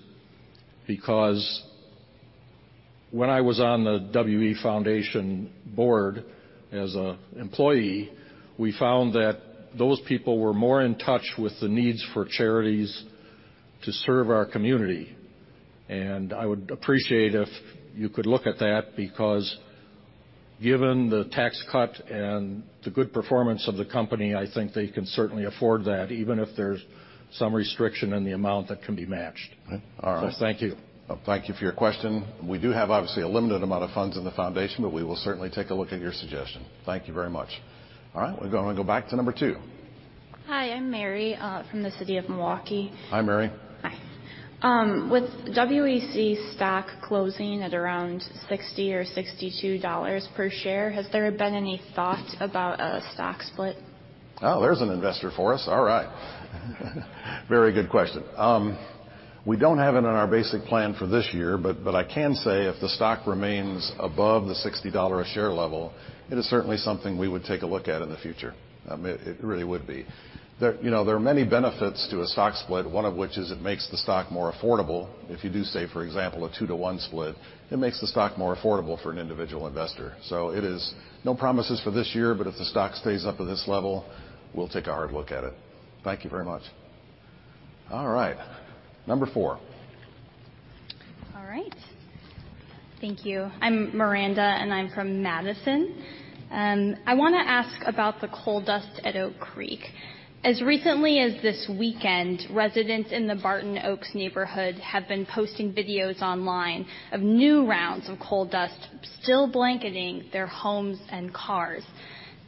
When I was on the WE Foundation board as an employee, we found that those people were more in touch with the needs for charities to serve our community. I would appreciate if you could look at that, because given the tax cut and the good performance of the company, I think they can certainly afford that, even if there's some restriction in the amount that can be matched. All right. thank you. Thank you for your question. We do have, obviously, a limited amount of funds in the foundation, but we will certainly take a look at your suggestion. Thank you very much. All right. We're going to go back to number 2. Hi, I'm Mary, from the city of Milwaukee. Hi, Mary. Hi. With WEC stock closing at around $60 or $62 per share, has there been any thought about a stock split? There's an investor for us. All right. Very good question. We don't have it in our basic plan for this year, but I can say if the stock remains above the $60 a share level, it is certainly something we would take a look at in the future. It really would be. There are many benefits to a stock split, one of which is it makes the stock more affordable. If you do, say, for example, a two-to-one split, it makes the stock more affordable for an individual investor. It is no promises for this year, but if the stock stays up at this level, we'll take a hard look at it. Thank you very much. All right. Number 4. All right. Thank you. I'm Miranda, and I'm from Madison. I want to ask about the coal dust at Oak Creek. As recently as this weekend, residents in the Barton Oaks neighborhood have been posting videos online of new rounds of coal dust still blanketing their homes and cars.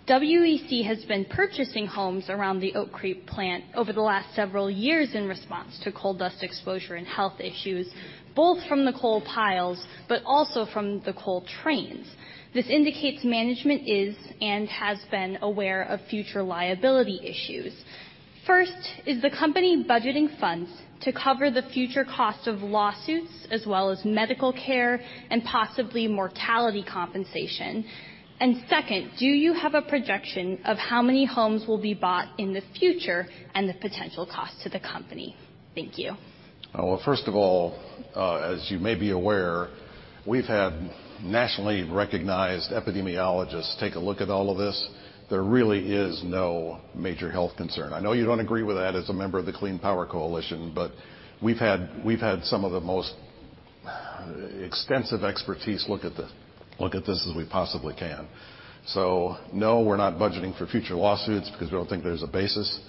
WEC has been purchasing homes around the Oak Creek plant over the last several years in response to coal dust exposure and health issues, both from the coal piles, but also from the coal trains. This indicates management is and has been aware of future liability issues. First, is the company budgeting funds to cover the future cost of lawsuits as well as medical care and possibly mortality compensation? Second, do you have a projection of how many homes will be bought in the future and the potential cost to the company? Thank you. Well, first of all, as you may be aware, we've had nationally recognized epidemiologists take a look at all of this. There really is no major health concern. I know you don't agree with that as a member of the Clean Power Coalition, but we've had some of the most extensive expertise look at this as we possibly can. No, we're not budgeting for future lawsuits because we don't think there's a basis.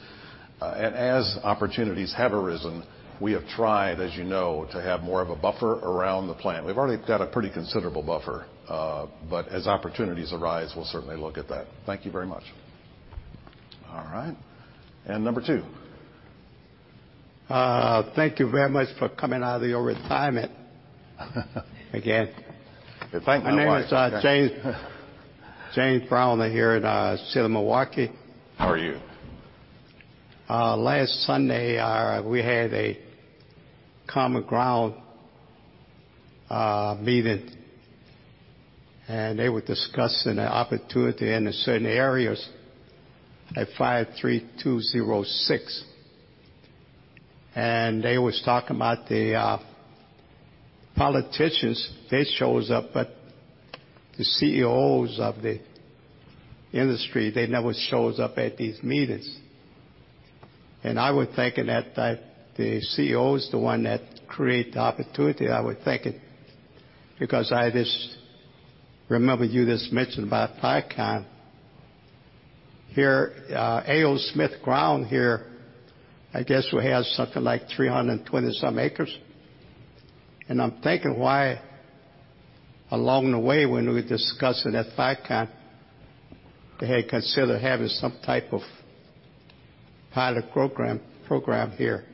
As opportunities have arisen, we have tried, as you know, to have more of a buffer around the plant. We've already got a pretty considerable buffer. As opportunities arise, we'll certainly look at that. Thank you very much. All right. Number 2. Thank you very much for coming out of your retirement again. Thank my wife. My name is James Brown. I'm here in the city of Milwaukee. How are you? Last Sunday, we had a Common Ground meeting, and they were discussing the opportunity in certain areas at 53206. They was talking about the politicians, they shows up, but the CEOs of the industry, they never shows up at these meetings. I was thinking that the CEO is the one that create the opportunity, I was thinking. Because I just remember you just mentioned about Foxconn. Here, A. O. Smith ground here, I guess we have something like 320 some acres. I'm thinking why, along the way, when we were discussing that Foxconn, they had considered having some type of pilot program here.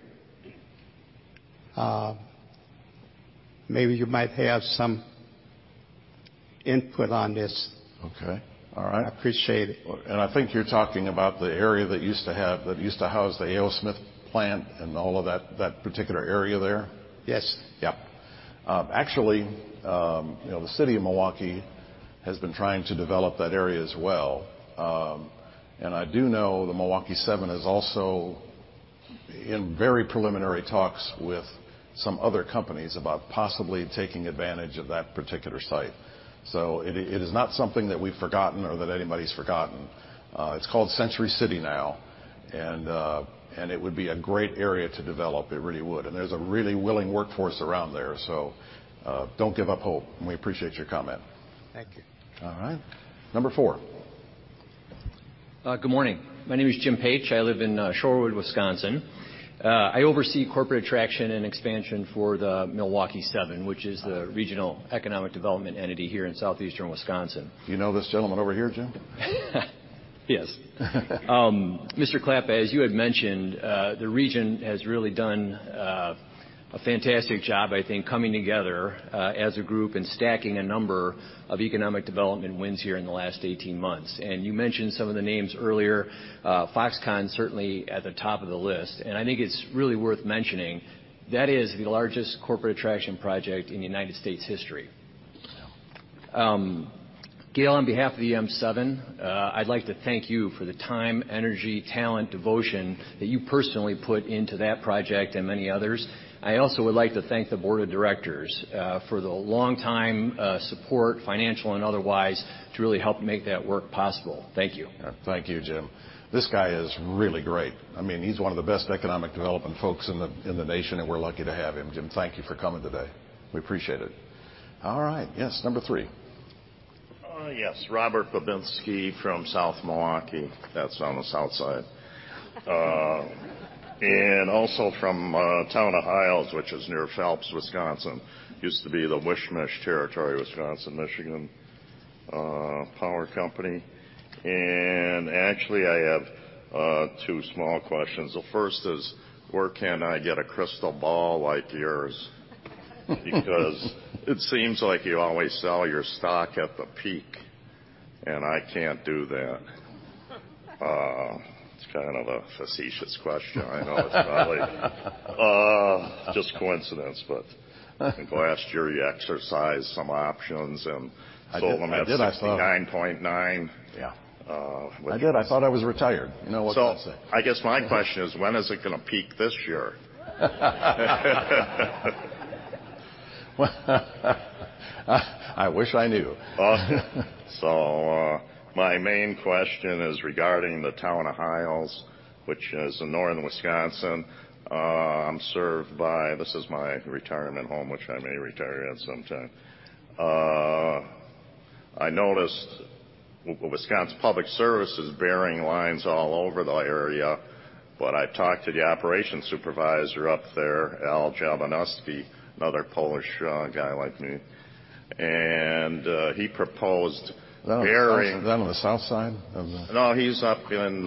Maybe you might have some input on this. Okay. All right. I appreciate it. I think you're talking about the area that used to house the A. O. Smith plant and all of that particular area there? Yes. Yep. Actually, the city of Milwaukee has been trying to develop that area as well. I do know the Milwaukee 7 is also in very preliminary talks with some other companies about possibly taking advantage of that particular site. It is not something that we've forgotten or that anybody's forgotten. It's called Century City now. It would be a great area to develop. It really would. There's a really willing workforce around there. Don't give up hope. We appreciate your comment. Thank you. All right. Number 4. Good morning. My name is Jim Page. I live in Shorewood, Wisconsin. I oversee corporate attraction and expansion for the Milwaukee 7, which is the regional economic development entity here in southeastern Wisconsin. You know this gentleman over here, Jim Page? Yes. Mr. Klappa, as you had mentioned, the region has really done a fantastic job, I think, coming together as a group and stacking a number of economic development wins here in the last 18 months. You mentioned some of the names earlier, Foxconn certainly at the top of the list. I think it's really worth mentioning, that is the largest corporate attraction project in United States history. Yeah. Gale, on behalf of the M7, I'd like to thank you for the time, energy, talent, devotion that you personally put into that project and many others. I also would like to thank the board of directors for the longtime support, financial and otherwise, to really help make that work possible. Thank you. Thank you, Jim Page. This guy is really great. He's one of the best economic development folks in the nation, we're lucky to have him. Jim Page, thank you for coming today. We appreciate it. All right. Yes, number three. Yes. Robert Babinski from South Milwaukee. That's on the south side. Also from Town of Hiles, which is near Phelps, Wisconsin. Used to be the Wishmash territory, Wisconsin Michigan Power Company. Actually, I have two small questions. The first is, where can I get a crystal ball like yours? Because it seems like you always sell your stock at the peak, and I can't do that. It's probably just coincidence, but I think last year you exercised some options and- I did. I thought sold them at 69.9. Yeah. Which- I did. I thought I was retired. You know what they say. I guess my question is, when is it going to peak this year? I wish I knew. My main question is regarding the Town of Hiles, which is in northern Wisconsin. This is my retirement home, which I may retire at sometime. I noticed Wisconsin Public Service is burying lines all over the area. I talked to the operations supervisor up there, Al Javanoski, another Polish guy like me, and he proposed burying. Is that on the south side of the. No, he's up in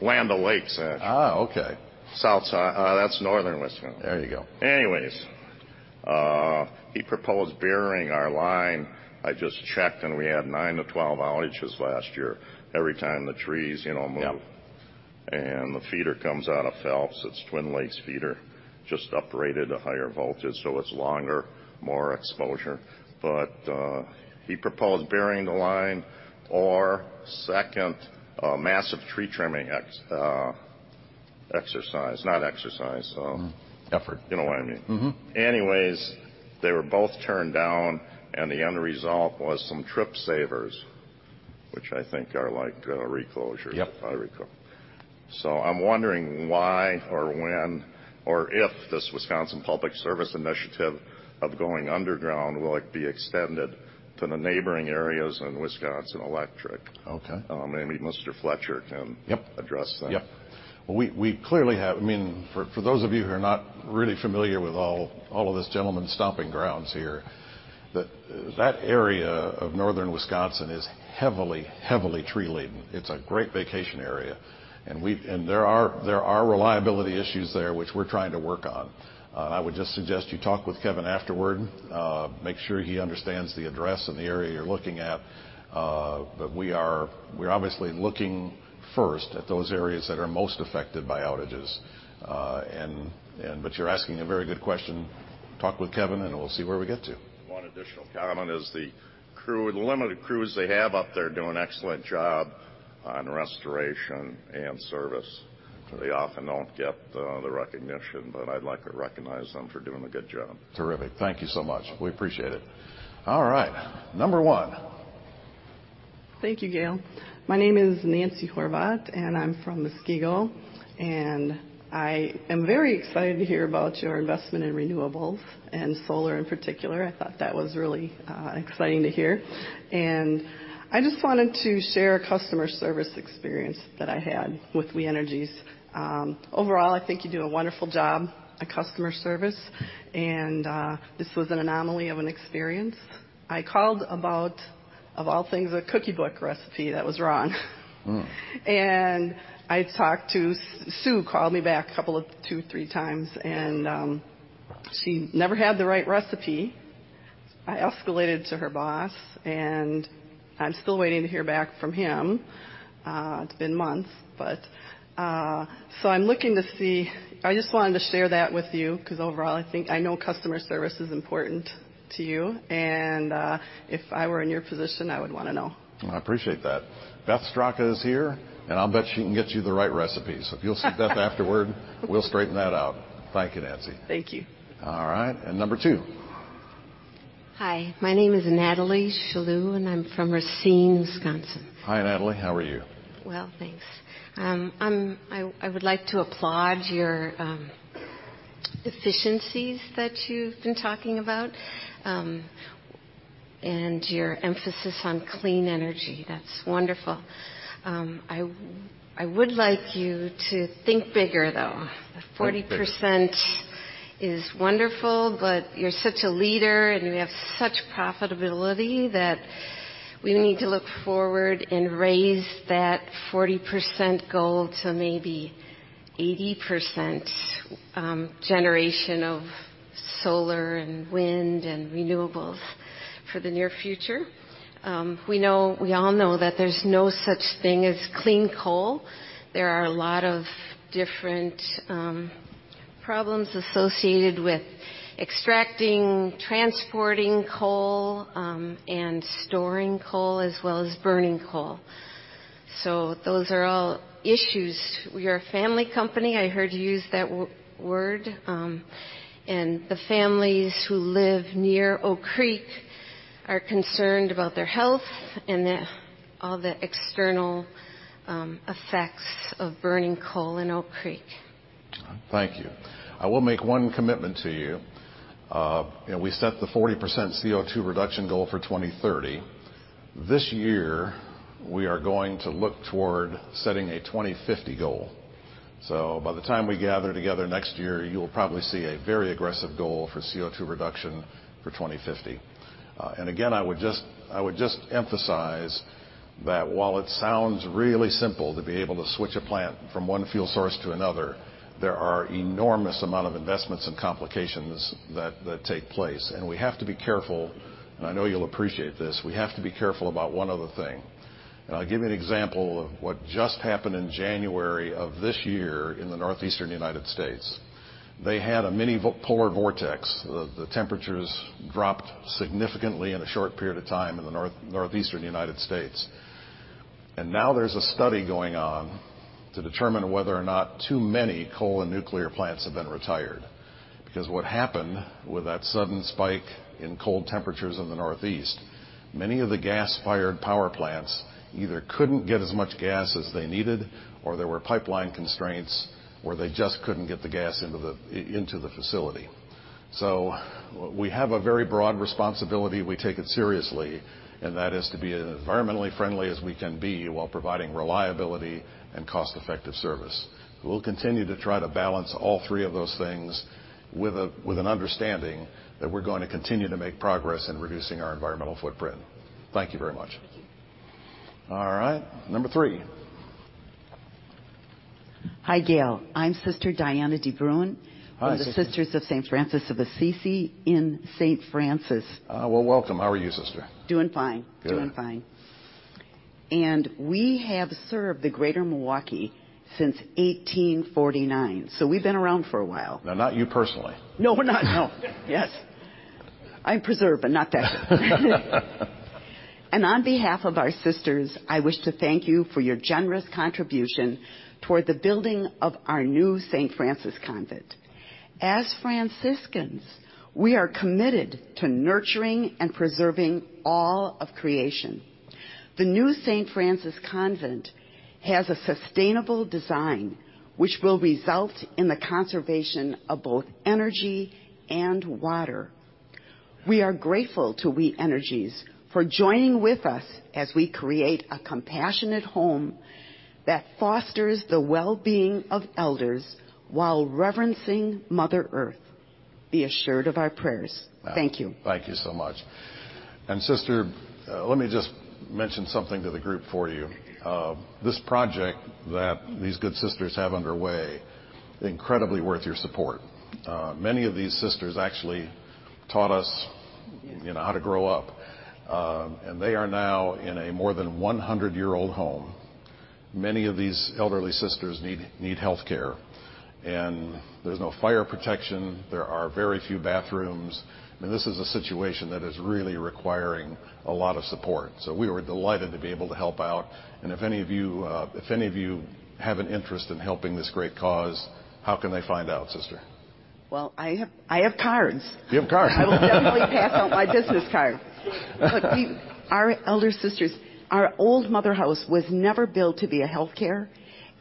Land O'Lakes actually. Okay. South side. That's northern Wisconsin. There you go. Anyway, he proposed burying our line. I just checked, we had nine to 12 outages last year every time the trees move. Yep. The feeder comes out of Phelps. It's Twin Lakes feeder, just upgraded to higher voltage, it's longer, more exposure. He proposed burying the line or second, a massive tree trimming exercise. Effort. You know what I mean. Anyway, they were both turned down. The end result was some trip savers, which I think are like reclosure. Yep. I'm wondering why or when or if this Wisconsin Public Service initiative of going underground will be extended to the neighboring areas in Wisconsin Electric. Okay. Maybe Mr. Fletcher Yep address that. Yep. For those of you who are not really familiar with all of this gentleman's stomping grounds here, that area of northern Wisconsin is heavily tree-laden. It's a great vacation area. There are reliability issues there, which we're trying to work on. I would just suggest you talk with Kevin afterward, make sure he understands the address and the area you're looking at. We're obviously looking first at those areas that are most affected by outages. You're asking a very good question. Talk with Kevin, and we'll see where we get to. One additional comment is the limited crews they have up there do an excellent job on restoration and service. They often don't get the recognition, but I'd like to recognize them for doing a good job. Terrific. Thank you so much. We appreciate it. All right, number 1. Thank you, Gale. My name is Nancy Horvat, and I'm from Muskego. I am very excited to hear about your investment in renewables and solar in particular. I thought that was really exciting to hear. I just wanted to share a customer service experience that I had with We Energies. Overall, I think you do a wonderful job at customer service, and this was an anomaly of an experience. I called about, of all things, a cookie book recipe that was wrong. I talked to Sue, called me back a couple of two, three times, and she never had the right recipe. I escalated to her boss, and I'm still waiting to hear back from him. It's been months. I just wanted to share that with you because overall, I think, I know customer service is important to you, and if I were in your position, I would want to know. I appreciate that. Beth Straka is here, and I'll bet she can get you the right recipes. If you'll see Beth afterward, we'll straighten that out. Thank you, Nancy. Thank you. All right, and number 2. Hi, my name is Natalie Shalu, and I'm from Racine, Wisconsin. Hi, Natalie. How are you? Well, thanks. I would like to applaud your efficiencies that you've been talking about, and your emphasis on clean energy. That's wonderful. I would like you to think bigger, though. Think bigger. 40% is wonderful, you're such a leader, and we have such profitability that we need to look forward and raise that 40% goal to maybe 80% generation of solar and wind and renewables for the near future. We all know that there's no such thing as clean coal. There are a lot of different problems associated with extracting, transporting coal, and storing coal, as well as burning coal. Those are all issues. We are a family company. I heard you use that word. The families who live near Oak Creek are concerned about their health and all the external effects of burning coal in Oak Creek. Thank you. I will make one commitment to you. We set the 40% CO2 reduction goal for 2030. This year, we are going to look toward setting a 2050 goal. By the time we gather together next year, you will probably see a very aggressive goal for CO2 reduction for 2050. Again, I would just emphasize that while it sounds really simple to be able to switch a plant from one fuel source to another, there are enormous amount of investments and complications that take place, and we have to be careful, and I know you'll appreciate this. We have to be careful about one other thing. I'll give you an example of what just happened in January of this year in the Northeastern U.S. They had a mini polar vortex. The temperatures dropped significantly in a short period of time in the Northeastern U.S. Now there's a study going on to determine whether or not too many coal and nuclear plants have been retired. Because what happened with that sudden spike in cold temperatures in the Northeast, many of the gas-fired power plants either couldn't get as much gas as they needed, or there were pipeline constraints, or they just couldn't get the gas into the facility. We have a very broad responsibility. We take it seriously, and that is to be as environmentally friendly as we can be while providing reliability and cost-effective service. We'll continue to try to balance all three of those things with an understanding that we're going to continue to make progress in reducing our environmental footprint. Thank you very much. Thank you. All right. Number three. Hi, Gale. I'm Sister Diana de Bruin. Hi, Sister. From the Sisters of St. Francis of Assisi in St. Francis. Oh, well, welcome. How are you, Sister? Doing fine. Good. Doing fine. We have served the Greater Milwaukee since 1849, so we've been around for a while. No, not you personally. No, not no. Yes. I'm preserved, but not that. On behalf of our sisters, I wish to thank you for your generous contribution toward the building of our new Saint Francis Convent. As Franciscans, we are committed to nurturing and preserving all of creation. The new Saint Francis Convent has a sustainable design, which will result in the conservation of both energy and water. We are grateful to We Energies for joining with us as we create a compassionate home that fosters the well-being of elders while reverencing Mother Earth. Be assured of our prayers. Thank you. Thank you so much. Sister, let me just mention something to the group for you. This project that these good sisters have underway, incredibly worth your support. Many of these sisters actually taught us how to grow up. They are now in a more than 100-year-old home. Many of these elderly sisters need healthcare, and there's no fire protection. There are very few bathrooms. I mean, this is a situation that is really requiring a lot of support. We were delighted to be able to help out. If any of you have an interest in helping this great cause, how can they find out, Sister? Well, I have cards. You have cards. I will definitely pass out my business card. Our elder sisters, our old motherhouse was never built to be a healthcare,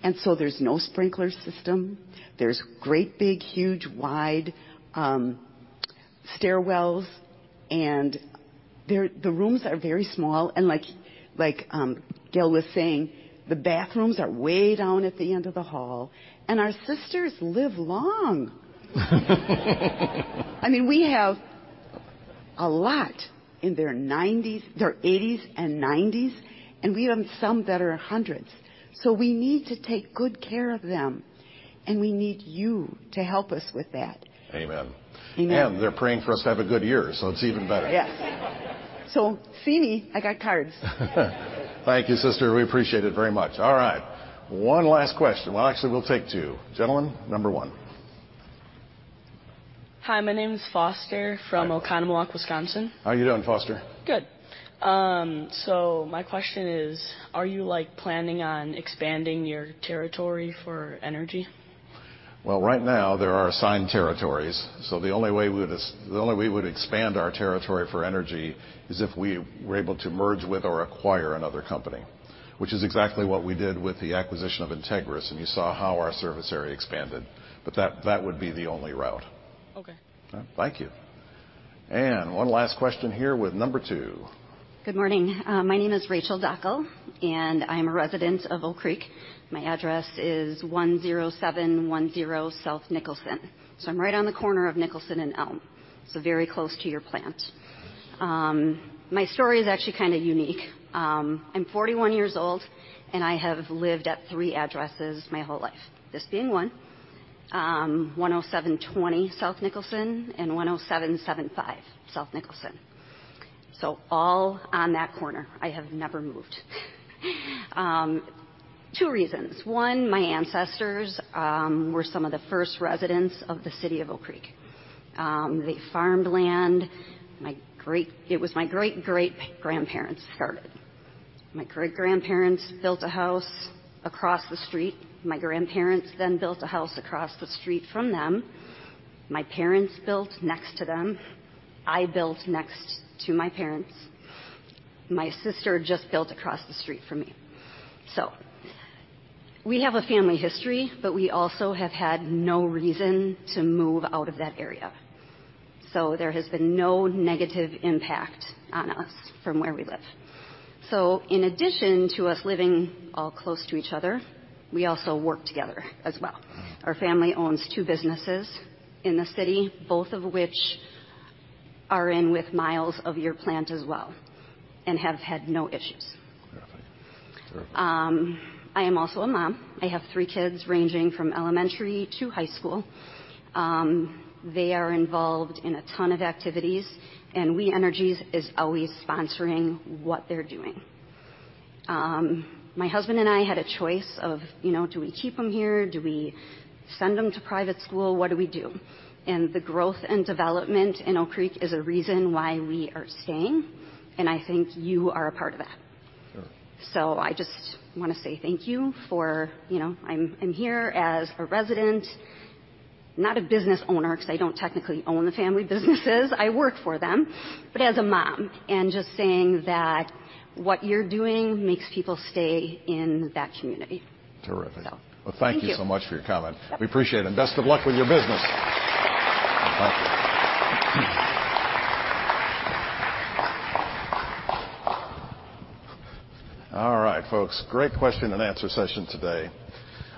there's no sprinkler system. There's great big, huge, wide stairwells, the rooms are very small. Like Gale was saying, the bathrooms are way down at the end of the hall, our sisters live long. I mean, we have a lot in their 80s and 90s, we have some that are hundreds. We need to take good care of them, we need you to help us with that. Amen. Amen. They're praying for us to have a good year, it's even better. Yes. See me, I got cards. Thank you, Sister. We appreciate it very much. All right, one last question. Actually, we'll take two. Gentlemen, number one. Hi, my name is Foster from Oconomowoc, Wisconsin. How are you doing, Foster? Good. My question is, are you planning on expanding your territory for energy? Right now there are assigned territories, the only way we would expand our territory for energy is if we were able to merge with or acquire another company, which is exactly what we did with the acquisition of Integrys, and you saw how our service area expanded. That would be the only route. Okay. Thank you. One last question here with number two. Good morning. My name is Rachel Dockal, and I'm a resident of Oak Creek. My address is 10710 South Nicholson. I'm right on the corner of Nicholson and Elm, very close to your plant. My story is actually kind of unique. I'm 41 years old, and I have lived at three addresses my whole life, this being one, 10720 South Nicholson, and 10775 South Nicholson. All on that corner. I have never moved. Two reasons. One, my ancestors were some of the first residents of the city of Oak Creek. They farmed land. It was my great-great-grandparents started. My great-grandparents built a house across the street. My grandparents then built a house across the street from them. My parents built next to them. I built next to my parents. My sister just built across the street from me. We have a family history, but we also have had no reason to move out of that area. There has been no negative impact on us from where we live. In addition to us living all close to each other, we also work together as well. Our family owns two businesses in the city, both of which are in with miles of your plant as well, and have had no issues. Terrific. Terrific. I am also a mom. I have three kids ranging from elementary to high school. They are involved in a ton of activities, and We Energies is always sponsoring what they're doing. My husband and I had a choice of do we keep them here? Do we send them to private school? What do we do? The growth and development in Oak Creek is a reason why we are staying, and I think you are a part of that. Sure. I just want to say thank you for I'm here as a resident, not a business owner because I don't technically own the family businesses, I work for them, but as a mom and just saying that what you're doing makes people stay in that community. Terrific. Thank you. Well, thank you so much for your comment. We appreciate it, and best of luck with your business. Thank you. All right, folks. Great question and answer session today.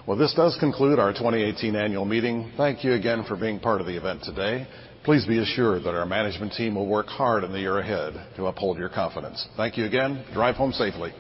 Well, this does conclude our 2018 annual meeting. Thank you again for being part of the event today. Please be assured that our management team will work hard in the year ahead to uphold your confidence. Thank you again. Drive home safely.